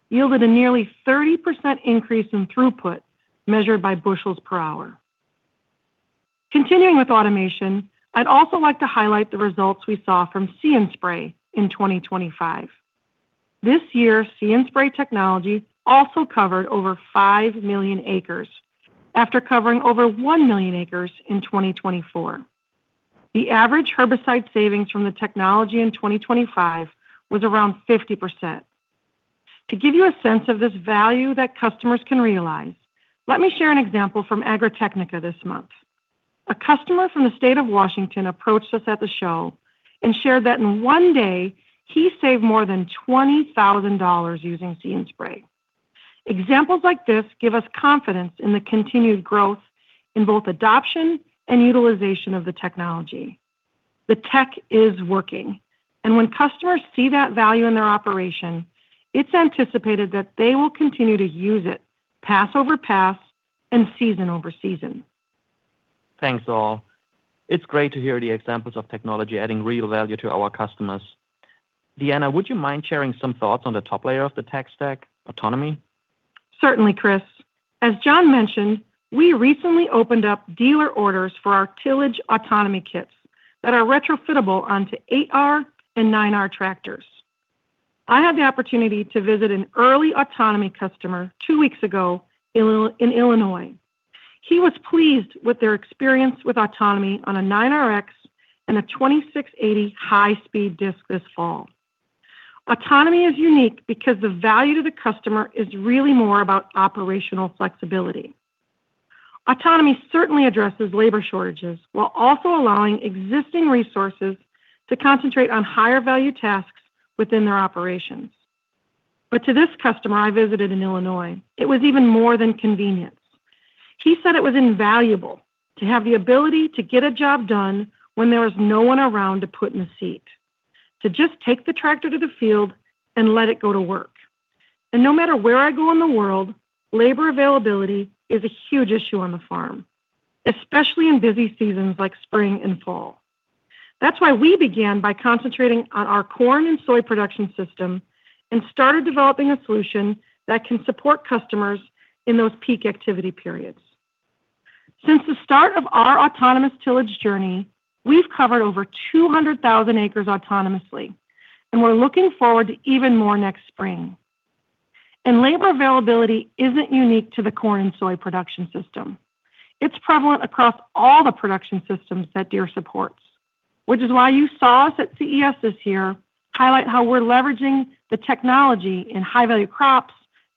Speaker 5: yielded a nearly 30% increase in throughput measured by bushels per hour. Continuing with automation, I would also like to highlight the results we saw from See & Spray in 2025. This year, See & Spray technology also covered over 5 million acres after covering over 1 million acres in 2024. The average herbicide savings from the technology in 2025 was around 50%. To give you a sense of this value that customers can realize, let me share an example from Agritechnica this month. A customer from the state of Washington approached us at the show and shared that in one day, he saved more than $20,000 using See & Spray. Examples like this give us confidence in the continued growth in both adoption and utilization of the technology. The tech is working, and when customers see that value in their operation, it's anticipated that they will continue to use it pass over pass and season over season.
Speaker 3: Thanks, all. It's great to hear the examples of technology adding real value to our customers. Deanna, would you mind sharing some thoughts on the top layer of the tech stack, autonomy?
Speaker 5: Certainly, Chris. As John mentioned, we recently opened up dealer orders for our tillage autonomy kits that are retrofitable onto 8R and 9R tractors. I had the opportunity to visit an early autonomy customer two weeks ago in Illinois. He was pleased with their experience with autonomy on a 9RX and a 2680 High-Speed Disc this fall. Autonomy is unique because the value to the customer is really more about operational flexibility. Autonomy certainly addresses labor shortages while also allowing existing resources to concentrate on higher value tasks within their operations. To this customer I visited in Illinois, it was even more than convenience. He said it was invaluable to have the ability to get a job done when there was no one around to put in the seat, to just take the tractor to the field and let it go to work. No matter where I go in the world, labor availability is a huge issue on the farm, especially in busy seasons like spring and fall. That's why we began by concentrating on our corn and soy production system and started developing a solution that can support customers in those peak activity periods. Since the start of our autonomous tillage journey, we've covered over 200,000 acres autonomously, and we're looking forward to even more next spring. Labor availability isn't unique to the corn and soy production system. It's prevalent across all the production systems that Deere supports, which is why you saw us at CES this year highlight how we're leveraging the technology in high-value crops,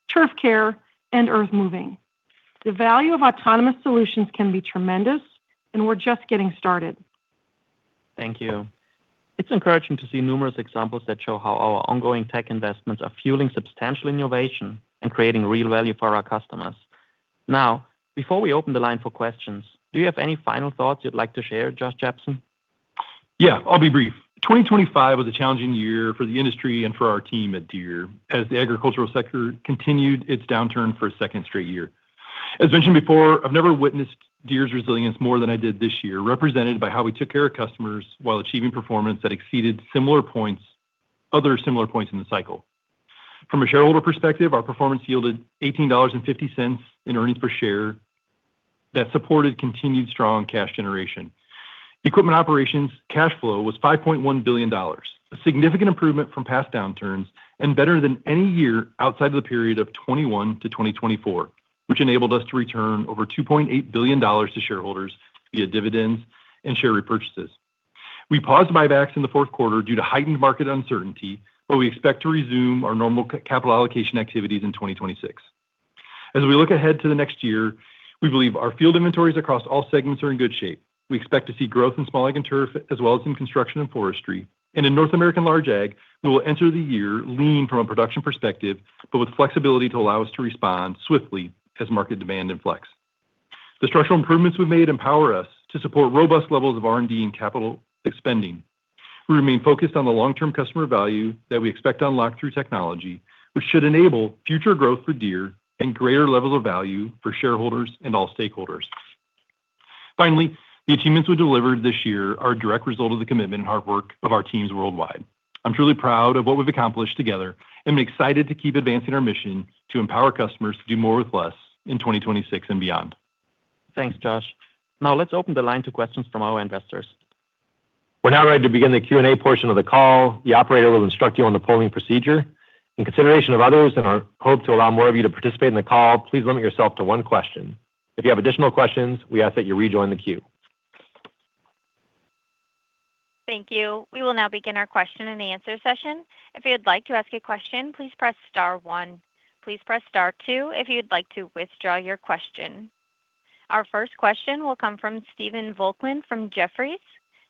Speaker 5: turf care, and earth moving. The value of autonomous solutions can be tremendous, and we're just getting started.
Speaker 3: Thank you. It's encouraging to see numerous examples that show how our ongoing tech investments are fueling substantial innovation and creating real value for our customers. Now, before we open the line for questions, do you have any final thoughts you'd like to share, Josh Jepsen?
Speaker 6: Yeah, I'll be brief. 2025 was a challenging year for the industry and for our team at Deere as the agricultural sector continued its downturn for a second straight year. As mentioned before, I've never witnessed Deere's resilience more than I did this year, represented by how we took care of customers while achieving performance that exceeded similar points, other similar points in the cycle. From a shareholder perspective, our performance yielded $18.50 in earnings per share that supported continued strong cash generation. Equipment operations cash flow was $5.1 billion, a significant improvement from past downturns and better than any year outside of the period of 2021 to 2024, which enabled us to return over $2.8 billion to shareholders via dividends and share repurchases. We paused buybacks in the fourth quarter due to heightened market uncertainty, but we expect to resume our normal capital allocation activities in 2026. As we look ahead to the next year, we believe our field inventories across all segments are in good shape. We expect to see growth in small ag and turf, as well as in construction and forestry. In North American large ag, we will enter the year lean from a production perspective, but with flexibility to allow us to respond swiftly as market demand inflects. The structural improvements we have made empower us to support robust levels of R&D and capital expending. We remain focused on the long-term customer value that we expect to unlock through technology, which should enable future growth for Deere and greater levels of value for shareholders and all stakeholders. Finally, the achievements we delivered this year are a direct result of the commitment and hard work of our teams worldwide. I'm truly proud of what we've accomplished together and am excited to keep advancing our mission to empower customers to do more with less in 2026 and beyond.
Speaker 3: Thanks, Josh. Now, let's open the line to questions from our investors.
Speaker 2: We're now ready to begin the Q&A portion of the call. The operator will instruct you on the polling procedure. In consideration of others and our hope to allow more of you to participate in the call, please limit yourself to one question. If you have additional questions, we ask that you rejoin the queue.
Speaker 1: Thank you. We will now begin our question and answer session. If you'd like to ask a question, please press star one. Please press star two if you'd like to withdraw your question. Our first question will come from Stephen Volkman from Jefferies.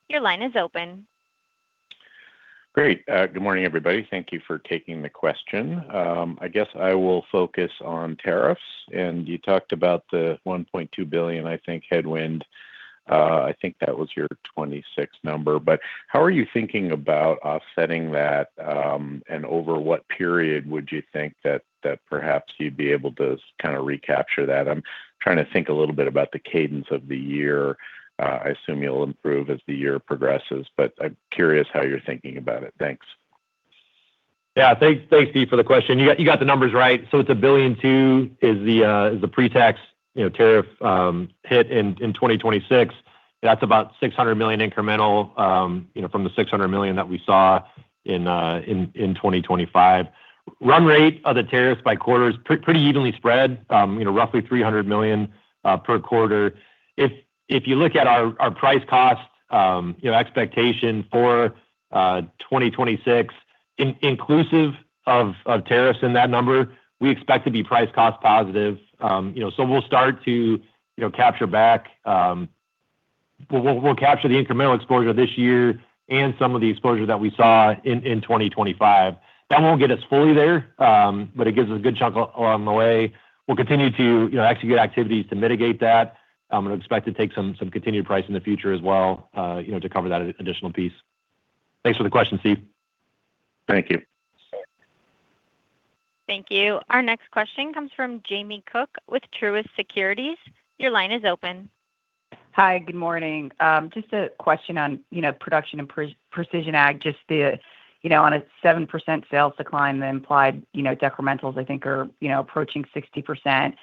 Speaker 1: Your line is open.
Speaker 7: Great. Good morning, everybody. Thank you for taking the question. I guess I will focus on tariffs. You talked about the $1.2 billion, I think, headwind. I think that was your 2026 number. How are you thinking about offsetting that? Over what period would you think that perhaps you'd be able to kind of recapture that? I'm trying to think a little bit about the cadence of the year. I assume you'll improve as the year progresses, but I'm curious how you're thinking about it. Thanks.
Speaker 2: Yeah. Thanks, Stephen, for the question. You got the numbers right. So it's $1.2 billion is the pre-tax tariff hit in 2026. That's about $600 million incremental from the $600 million that we saw in 2025. Run rate of the tariffs by quarter is pretty evenly spread, roughly $300 million per quarter. If you look at our price-cost expectation for 2026, inclusive of tariffs in that number, we expect to be price-cost positive. We'll start to capture back. We'll capture the incremental exposure this year and some of the exposure that we saw in 2025. That won't get us fully there, but it gives us a good chunk along the way. We'll continue to execute activities to mitigate that. I'm going to expect to take some continued price in the future as well to cover that additional piece. Thanks for the question, Stephen.
Speaker 7: Thank you.
Speaker 1: Thank you. Our next question comes from Jamie Cook with Truist Securities. Your line is open.
Speaker 8: Hi, good morning. Just a question on production and precision ag. Just on a 7% sales decline, the implied decrementals, I think, are approaching 60%.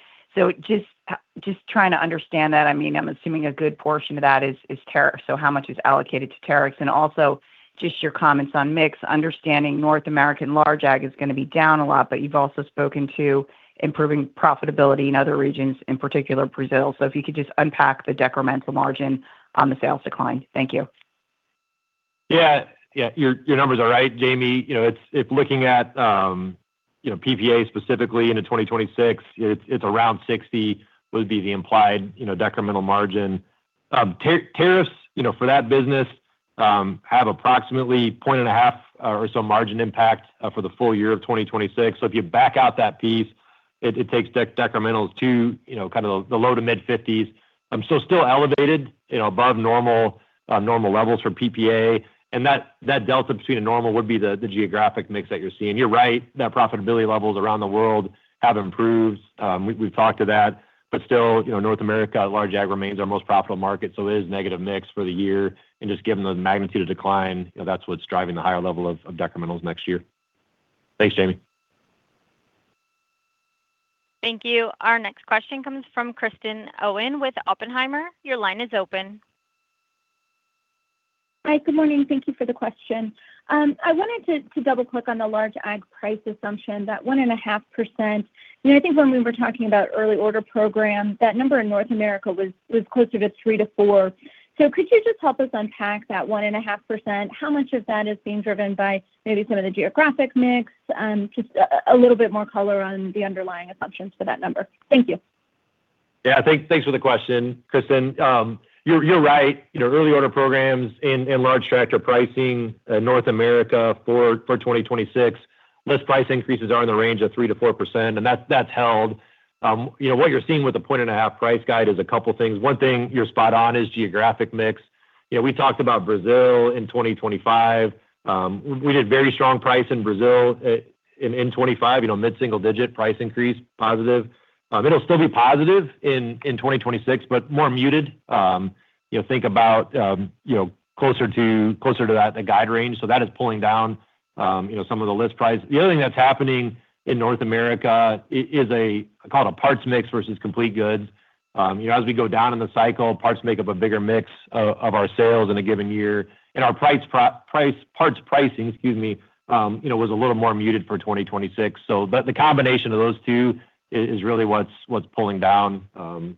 Speaker 8: Just trying to understand that, I mean, I'm assuming a good portion of that is tariffs. How much is allocated to tariffs? Also, just your comments on mix. Understanding North American large ag is going to be down a lot, but you've also spoken to improving profitability in other regions, in particular, Brazil. If you could just unpack the decremental margin on the sales decline. Thank you.
Speaker 2: Yeah. Yeah. Your numbers are right, Jamie. If looking at PPA specifically into 2026, it's around 60 would be the implied decremental margin. Tariffs for that business have approximately point-and-a-half or so margin impact for the full year of 2026. If you back out that piece, it takes decrementals to kind of the low to mid-50s. Still elevated above normal levels for PPA. That delta between normal would be the geographic mix that you're seeing. You're right. That profitability levels around the world have improved. We've talked to that. Still, North America large ag remains our most profitable market. It is negative mix for the year. Just given the magnitude of decline, that's what's driving the higher level of decrementals next year. Thanks, Jamie.
Speaker 1: Thank you. Our next question comes from Kristen Owen with Oppenheimer. Your line is open.
Speaker 9: Hi, good morning. Thank you for the question. I wanted to double-click on the large ag price assumption, that 1.5%. I think when we were talking about early order program, that number in North America was closer to 3-4%. Could you just help us unpack that 1.5%? How much of that is being driven by maybe some of the geographic mix? Just a little bit more color on the underlying assumptions for that number. Thank you.
Speaker 2: Yeah. Thanks for the question, Kristen. You're right. Early order programs in large tractor pricing in North America for 2026, list price increases are in the range of 3-4%. That's held. What you're seeing with the point-and-a-half price guide is a couple of things. One thing you're spot on is geographic mix. We talked about Brazil in 2025. We did very strong price in Brazil in 2025, mid-single-digit price increase, positive. It'll still be positive in 2026, but more muted. Think about closer to that guide range. That is pulling down some of the list price. The other thing that's happening in North America is called a parts mix versus complete goods. As we go down in the cycle, parts make up a bigger mix of our sales in a given year. Our parts pricing, excuse me, was a little more muted for 2026. The combination of those two is really what's pulling down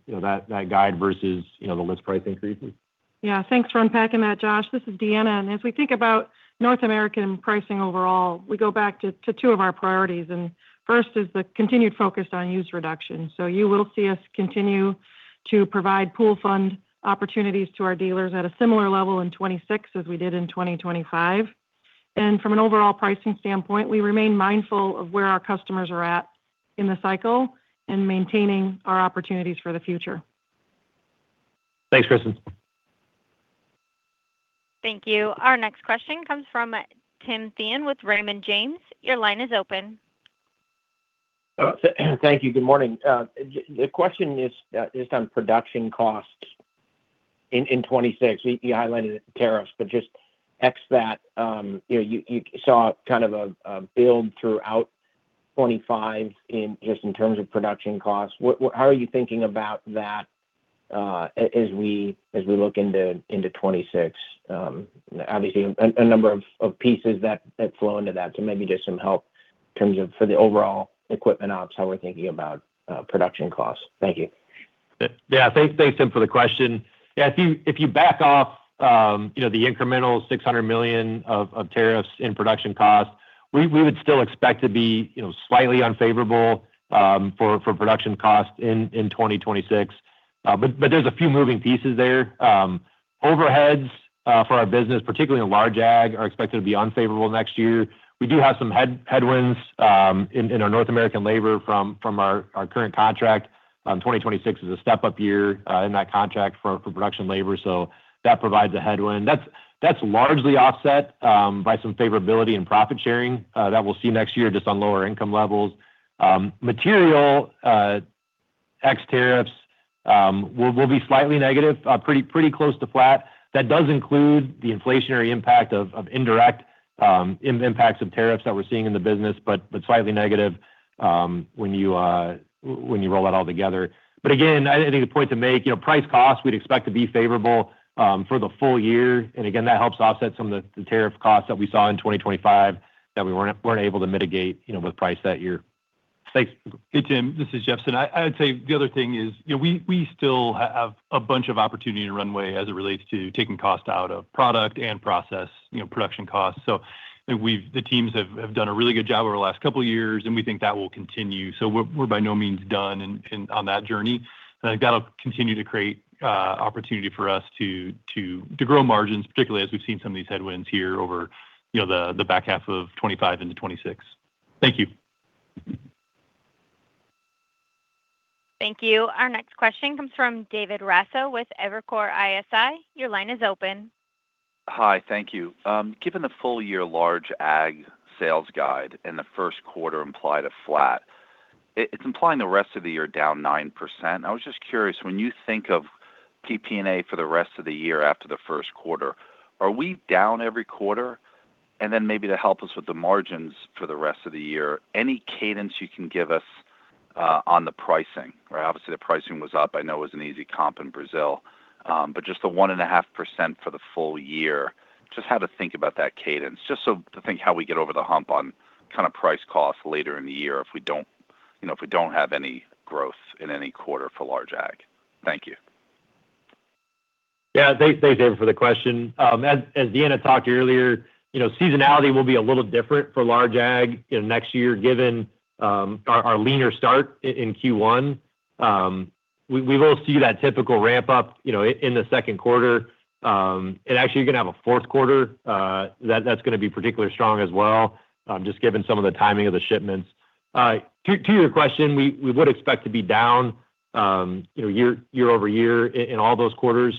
Speaker 2: that guide versus the list price increases.
Speaker 5: Yeah. Thanks for unpacking that, Josh. This is Deanna. As we think about North American pricing overall, we go back to two of our priorities. First is the continued focus on use reduction. You will see us continue to provide pool fund opportunities to our dealers at a similar level in 2026 as we did in 2025. From an overall pricing standpoint, we remain mindful of where our customers are at in the cycle and maintaining our opportunities for the future.
Speaker 2: Thanks, Kristen.
Speaker 1: Thank you. Our next question comes from Tim Thein with Raymond James. Your line is open.
Speaker 10: Thank you. Good morning. The question is just on production costs in 2026. You highlighted tariffs, but just excluding that you saw kind of a build throughout 2025 just in terms of production costs. How are you thinking about that as we look into 2026? Obviously, a number of pieces that flow into that. Maybe just some help in terms of for the overall equipment operations, how we're thinking about production costs. Thank you.
Speaker 3: Yeah. Thanks, Tim, for the question. Yeah. If you back off the incremental $600 million of tariffs in production costs, we would still expect to be slightly unfavorable for production costs in 2026. There are a few moving pieces there. Overheads for our business, particularly in large ag, are expected to be unfavorable next year. We do have some headwinds in our North American labor from our current contract. 2026 is a step-up year in that contract for production labor. That provides a headwind. That is largely offset by some favorability in profit sharing that we will see next year just on lower income levels. Material X tariffs will be slightly negative, pretty close to flat. That does include the inflationary impact of indirect impacts of tariffs that we are seeing in the business, but slightly negative when you roll that all together. I think the point to make, price costs, we would expect to be favorable for the full year. That helps offset some of the tariff costs that we saw in 2025 that we were not able to mitigate with price that year. Thanks.
Speaker 6: Hey, Tim. This is Jepsen. I'd say the other thing is we still have a bunch of opportunity and runway as it relates to taking cost out of product and process production costs. The teams have done a really good job over the last couple of years, and we think that will continue. We are by no means done on that journey. I think that'll continue to create opportunity for us to grow margins, particularly as we've seen some of these headwinds here over the back half of 2025 into 2026. Thank you.
Speaker 1: Thank you. Our next question comes from David Raso with Evercore ISI. Your line is open.
Speaker 11: Hi. Thank you. Given the full-year large ag sales guide and the first quarter implied of flat, it's implying the rest of the year down 9%. I was just curious, when you think of PPA for the rest of the year after the first quarter, are we down every quarter? Maybe to help us with the margins for the rest of the year, any cadence you can give us on the pricing? Obviously, the pricing was up. I know it was an easy comp in Brazil. Just the 1.5% for the full year, just how to think about that cadence, just to think how we get over the hump on kind of price costs later in the year if we don't have any growth in any quarter for large ag. Thank you.
Speaker 2: Yeah. Thanks, David, for the question. As Deanna talked earlier, seasonality will be a little different for large ag next year given our leaner start in Q1. We will see that typical ramp up in the second quarter. Actually, you're going to have a fourth quarter that's going to be particularly strong as well, just given some of the timing of the shipments. To your question, we would expect to be down year over year in all those quarters,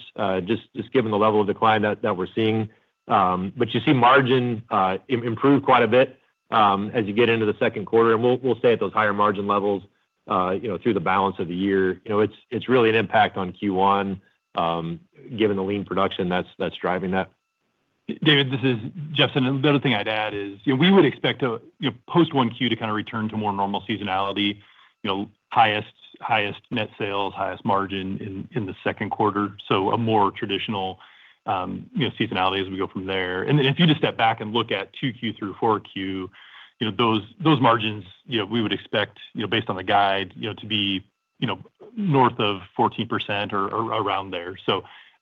Speaker 2: just given the level of decline that we're seeing. You see margin improve quite a bit as you get into the second quarter. We'll stay at those higher margin levels through the balance of the year. It's really an impact on Q1 given the lean production that's driving that.
Speaker 6: David, this is Jepsen. The other thing I'd add is we would expect to post one Q to kind of return to more normal seasonality, highest net sales, highest margin in the second quarter. A more traditional seasonality as we go from there. If you just step back and look at Q2 through Q4, those margins, we would expect, based on the guide, to be north of 14% or around there.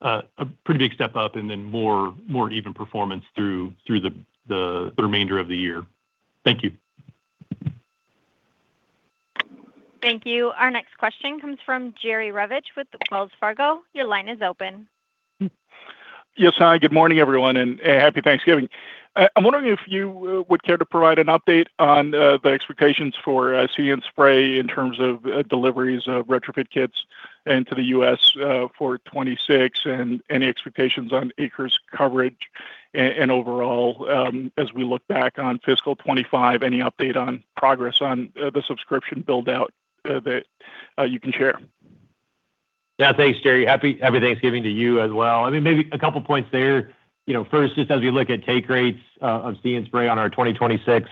Speaker 6: A pretty big step up and then more even performance through the remainder of the year. Thank you.
Speaker 1: Thank you. Our next question comes from Jerry Revich with Wells Fargo. Your line is open.
Speaker 12: Yes, hi. Good morning, everyone, and happy Thanksgiving. I'm wondering if you would care to provide an update on the expectations for See & Spray in terms of deliveries of retrofit kits into the U.S. for 2026 and any expectations on acres coverage and overall as we look back on fiscal 2025, any update on progress on the subscription buildout that you can share.
Speaker 2: Yeah. Thanks, Jerry. Happy Thanksgiving to you as well. I mean, maybe a couple of points there. First, just as we look at take rates of See & Spray on our 2026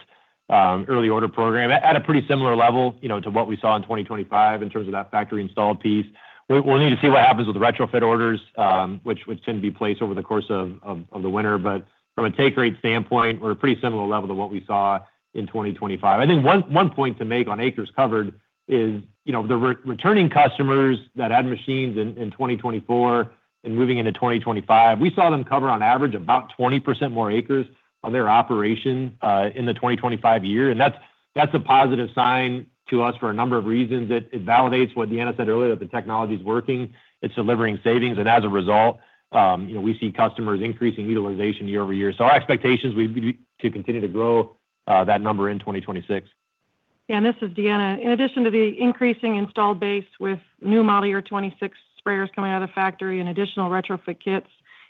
Speaker 2: early order program at a pretty similar level to what we saw in 2025 in terms of that factory install piece. We'll need to see what happens with retrofit orders, which tend to be placed over the course of the winter. From a take rate standpoint, we're at a pretty similar level to what we saw in 2025. I think one point to make on acres covered is the returning customers that had machines in 2024 and moving into 2025, we saw them cover on average about 20% more acres of their operation in the 2025 year. That's a positive sign to us for a number of reasons. It validates what Deanna said earlier, that the technology is working. It is delivering savings. As a result, we see customers increasing utilization year over year. Our expectations would be to continue to grow that number in 2026.
Speaker 5: Yeah. This is Deanna. In addition to the increasing install base with new model year 2026 sprayers coming out of the factory and additional retrofit kits,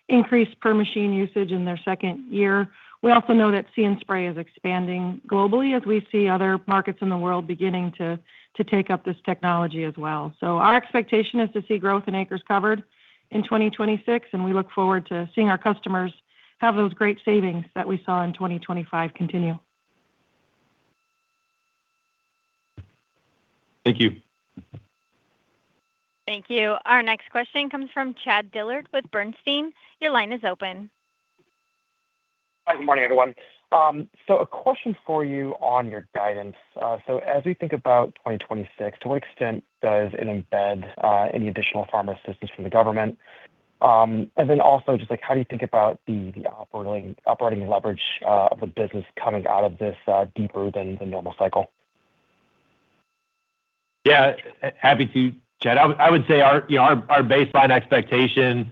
Speaker 5: increase per machine usage in their second year. We also know that See & Spray is expanding globally as we see other markets in the world beginning to take up this technology as well. Our expectation is to see growth in acres covered in 2026. We look forward to seeing our customers have those great savings that we saw in 2025 continue.
Speaker 2: Thank you.
Speaker 1: Thank you. Our next question comes from Charles Albert Edward Dillard with Sanford C. Bernstein & Co. Your line is open.
Speaker 13: Hi, good morning, everyone. A question for you on your guidance. As we think about 2026, to what extent does it embed any additional farm assistance from the government? Also, just how do you think about the operating leverage of the business coming out of this deeper than the normal cycle?
Speaker 2: Yeah. Happy to, Charles. I would say our baseline expectation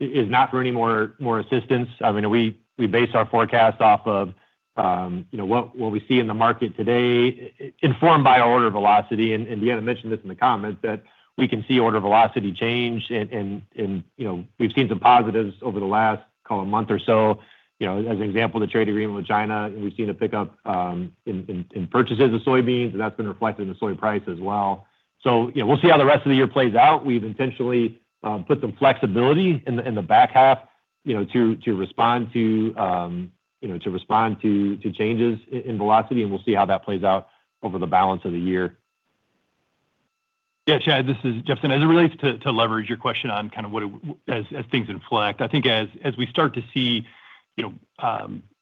Speaker 2: is not for any more assistance. I mean, we base our forecast off of what we see in the market today informed by order velocity. Deanna mentioned this in the comments that we can see order velocity change. We've seen some positives over the last, call it, month or so. As an example, the trade agreement with China, we've seen a pickup in purchases of soybeans. That's been reflected in the soy price as well. We'll see how the rest of the year plays out. We've intentionally put some flexibility in the back half to respond to changes in velocity. We'll see how that plays out over the balance of the year.
Speaker 6: Yeah. Charles, this is Jepsen. As it relates to leverage, your question on kind of as things inflect, I think as we start to see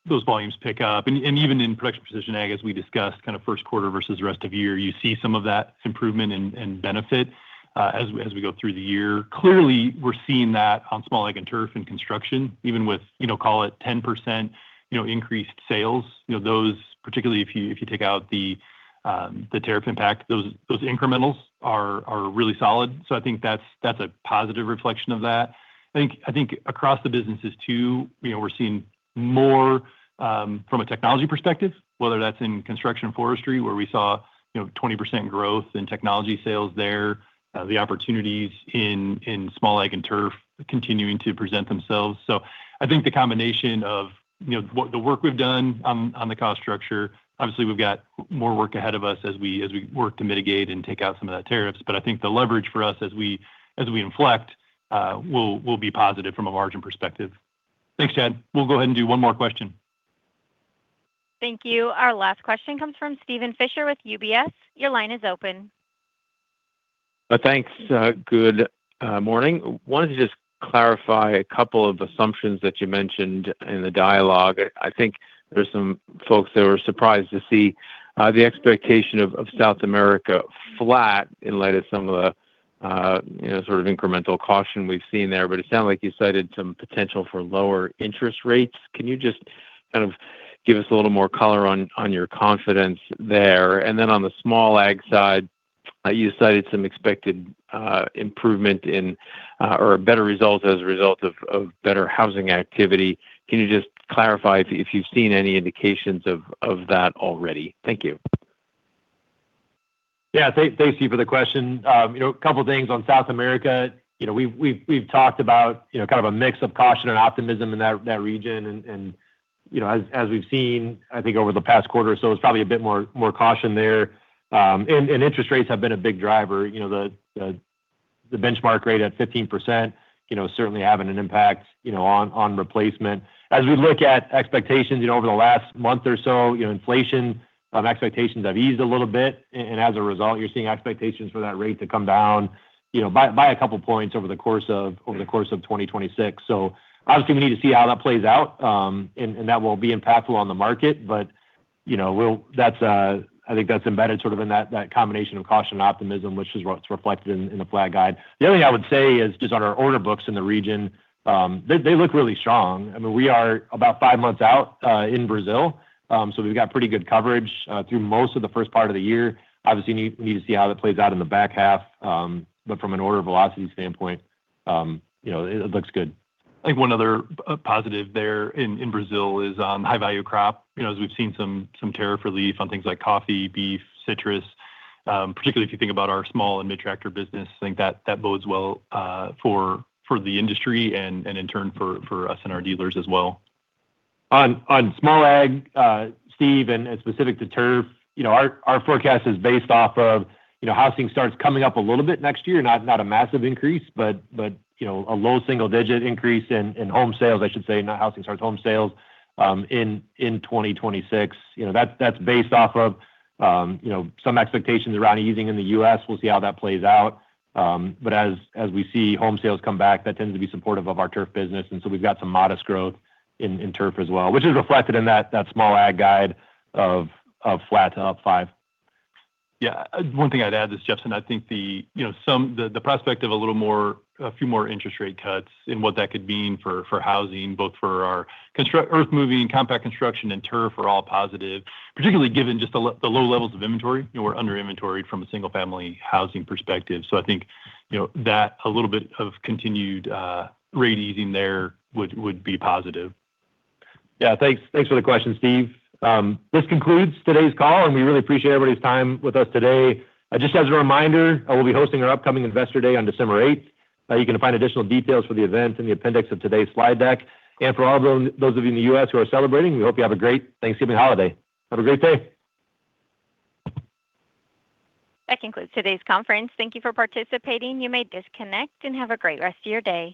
Speaker 6: those volumes pick up, and even in production precision ag, as we discussed, kind of first quarter versus the rest of the year, you see some of that improvement and benefit as we go through the year. Clearly, we're seeing that on small ag and turf and construction, even with, call it, 10% increased sales. Those, particularly if you take out the tariff impact, those incrementals are really solid. I think that's a positive reflection of that. I think across the businesses too, we're seeing more from a technology perspective, whether that's in construction, forestry, where we saw 20% growth in technology sales there, the opportunities in small ag and turf continuing to present themselves. I think the combination of the work we've done on the cost structure, obviously, we've got more work ahead of us as we work to mitigate and take out some of that tariffs. I think the leverage for us as we inflect will be positive from a margin perspective. Thanks, Charles. We'll go ahead and do one more question.
Speaker 1: Thank you. Our last question comes from Steven Fisher with UBS. Your line is open.
Speaker 14: Thanks. Good morning. I wanted to just clarify a couple of assumptions that you mentioned in the dialogue. I think there's some folks that were surprised to see the expectation of South America flat in light of some of the sort of incremental caution we've seen there. It sounded like you cited some potential for lower interest rates. Can you just kind of give us a little more color on your confidence there? On the small ag side, you cited some expected improvement or better results as a result of better housing activity. Can you just clarify if you've seen any indications of that already? Thank you.
Speaker 2: Yeah. Thanks, Steven, for the question. A couple of things on South America. We've talked about kind of a mix of caution and optimism in that region. As we've seen, I think over the past quarter or so, it's probably a bit more caution there. Interest rates have been a big driver. The benchmark rate at 15% certainly having an impact on replacement. As we look at expectations over the last month or so, inflation expectations have eased a little bit. As a result, you're seeing expectations for that rate to come down by a couple of points over the course of 2026. Obviously, we need to see how that plays out. That will be impactful on the market. I think that's embedded sort of in that combination of caution and optimism, which is what's reflected in the flag guide. The other thing I would say is just on our order books in the region, they look really strong. I mean, we are about five months out in Brazil. So we've got pretty good coverage through most of the first part of the year. Obviously, we need to see how that plays out in the back half. From an order velocity standpoint, it looks good.
Speaker 6: I think one other positive there in Brazil is on high-value crop. As we've seen some tariff relief on things like coffee, beef, citrus, particularly if you think about our small and mid-tractor business, I think that bodes well for the industry and in turn for us and our dealers as well.
Speaker 2: On small ag, Steven, and specific to turf, our forecast is based off of housing starts coming up a little bit next year, not a massive increase, but a low single-digit increase in home sales, I should say, not housing starts, home sales in 2026. That is based off of some expectations around easing in the U.S. We'll see how that plays out. As we see home sales come back, that tends to be supportive of our turf business. We have some modest growth in turf as well, which is reflected in that small ag guide of flat to up 5%.
Speaker 6: Yeah. One thing I'd add is, Jepsen, I think the prospect of a few more interest rate cuts and what that could mean for housing, both for our earth-moving and compact construction and turf, are all positive, particularly given just the low levels of inventory. We're under-inventoried from a single-family housing perspective. I think that a little bit of continued rate easing there would be positive.
Speaker 2: Yeah. Thanks for the question, Steven. This concludes today's call. We really appreciate everybody's time with us today. Just as a reminder, we'll be hosting our upcoming Investor Day on December 8th. You can find additional details for the event in the appendix of today's slide deck. For all those of you in the U.S. who are celebrating, we hope you have a great Thanksgiving holiday. Have a great day.
Speaker 1: That concludes today's conference. Thank you for participating. You may disconnect and have a great rest of your day.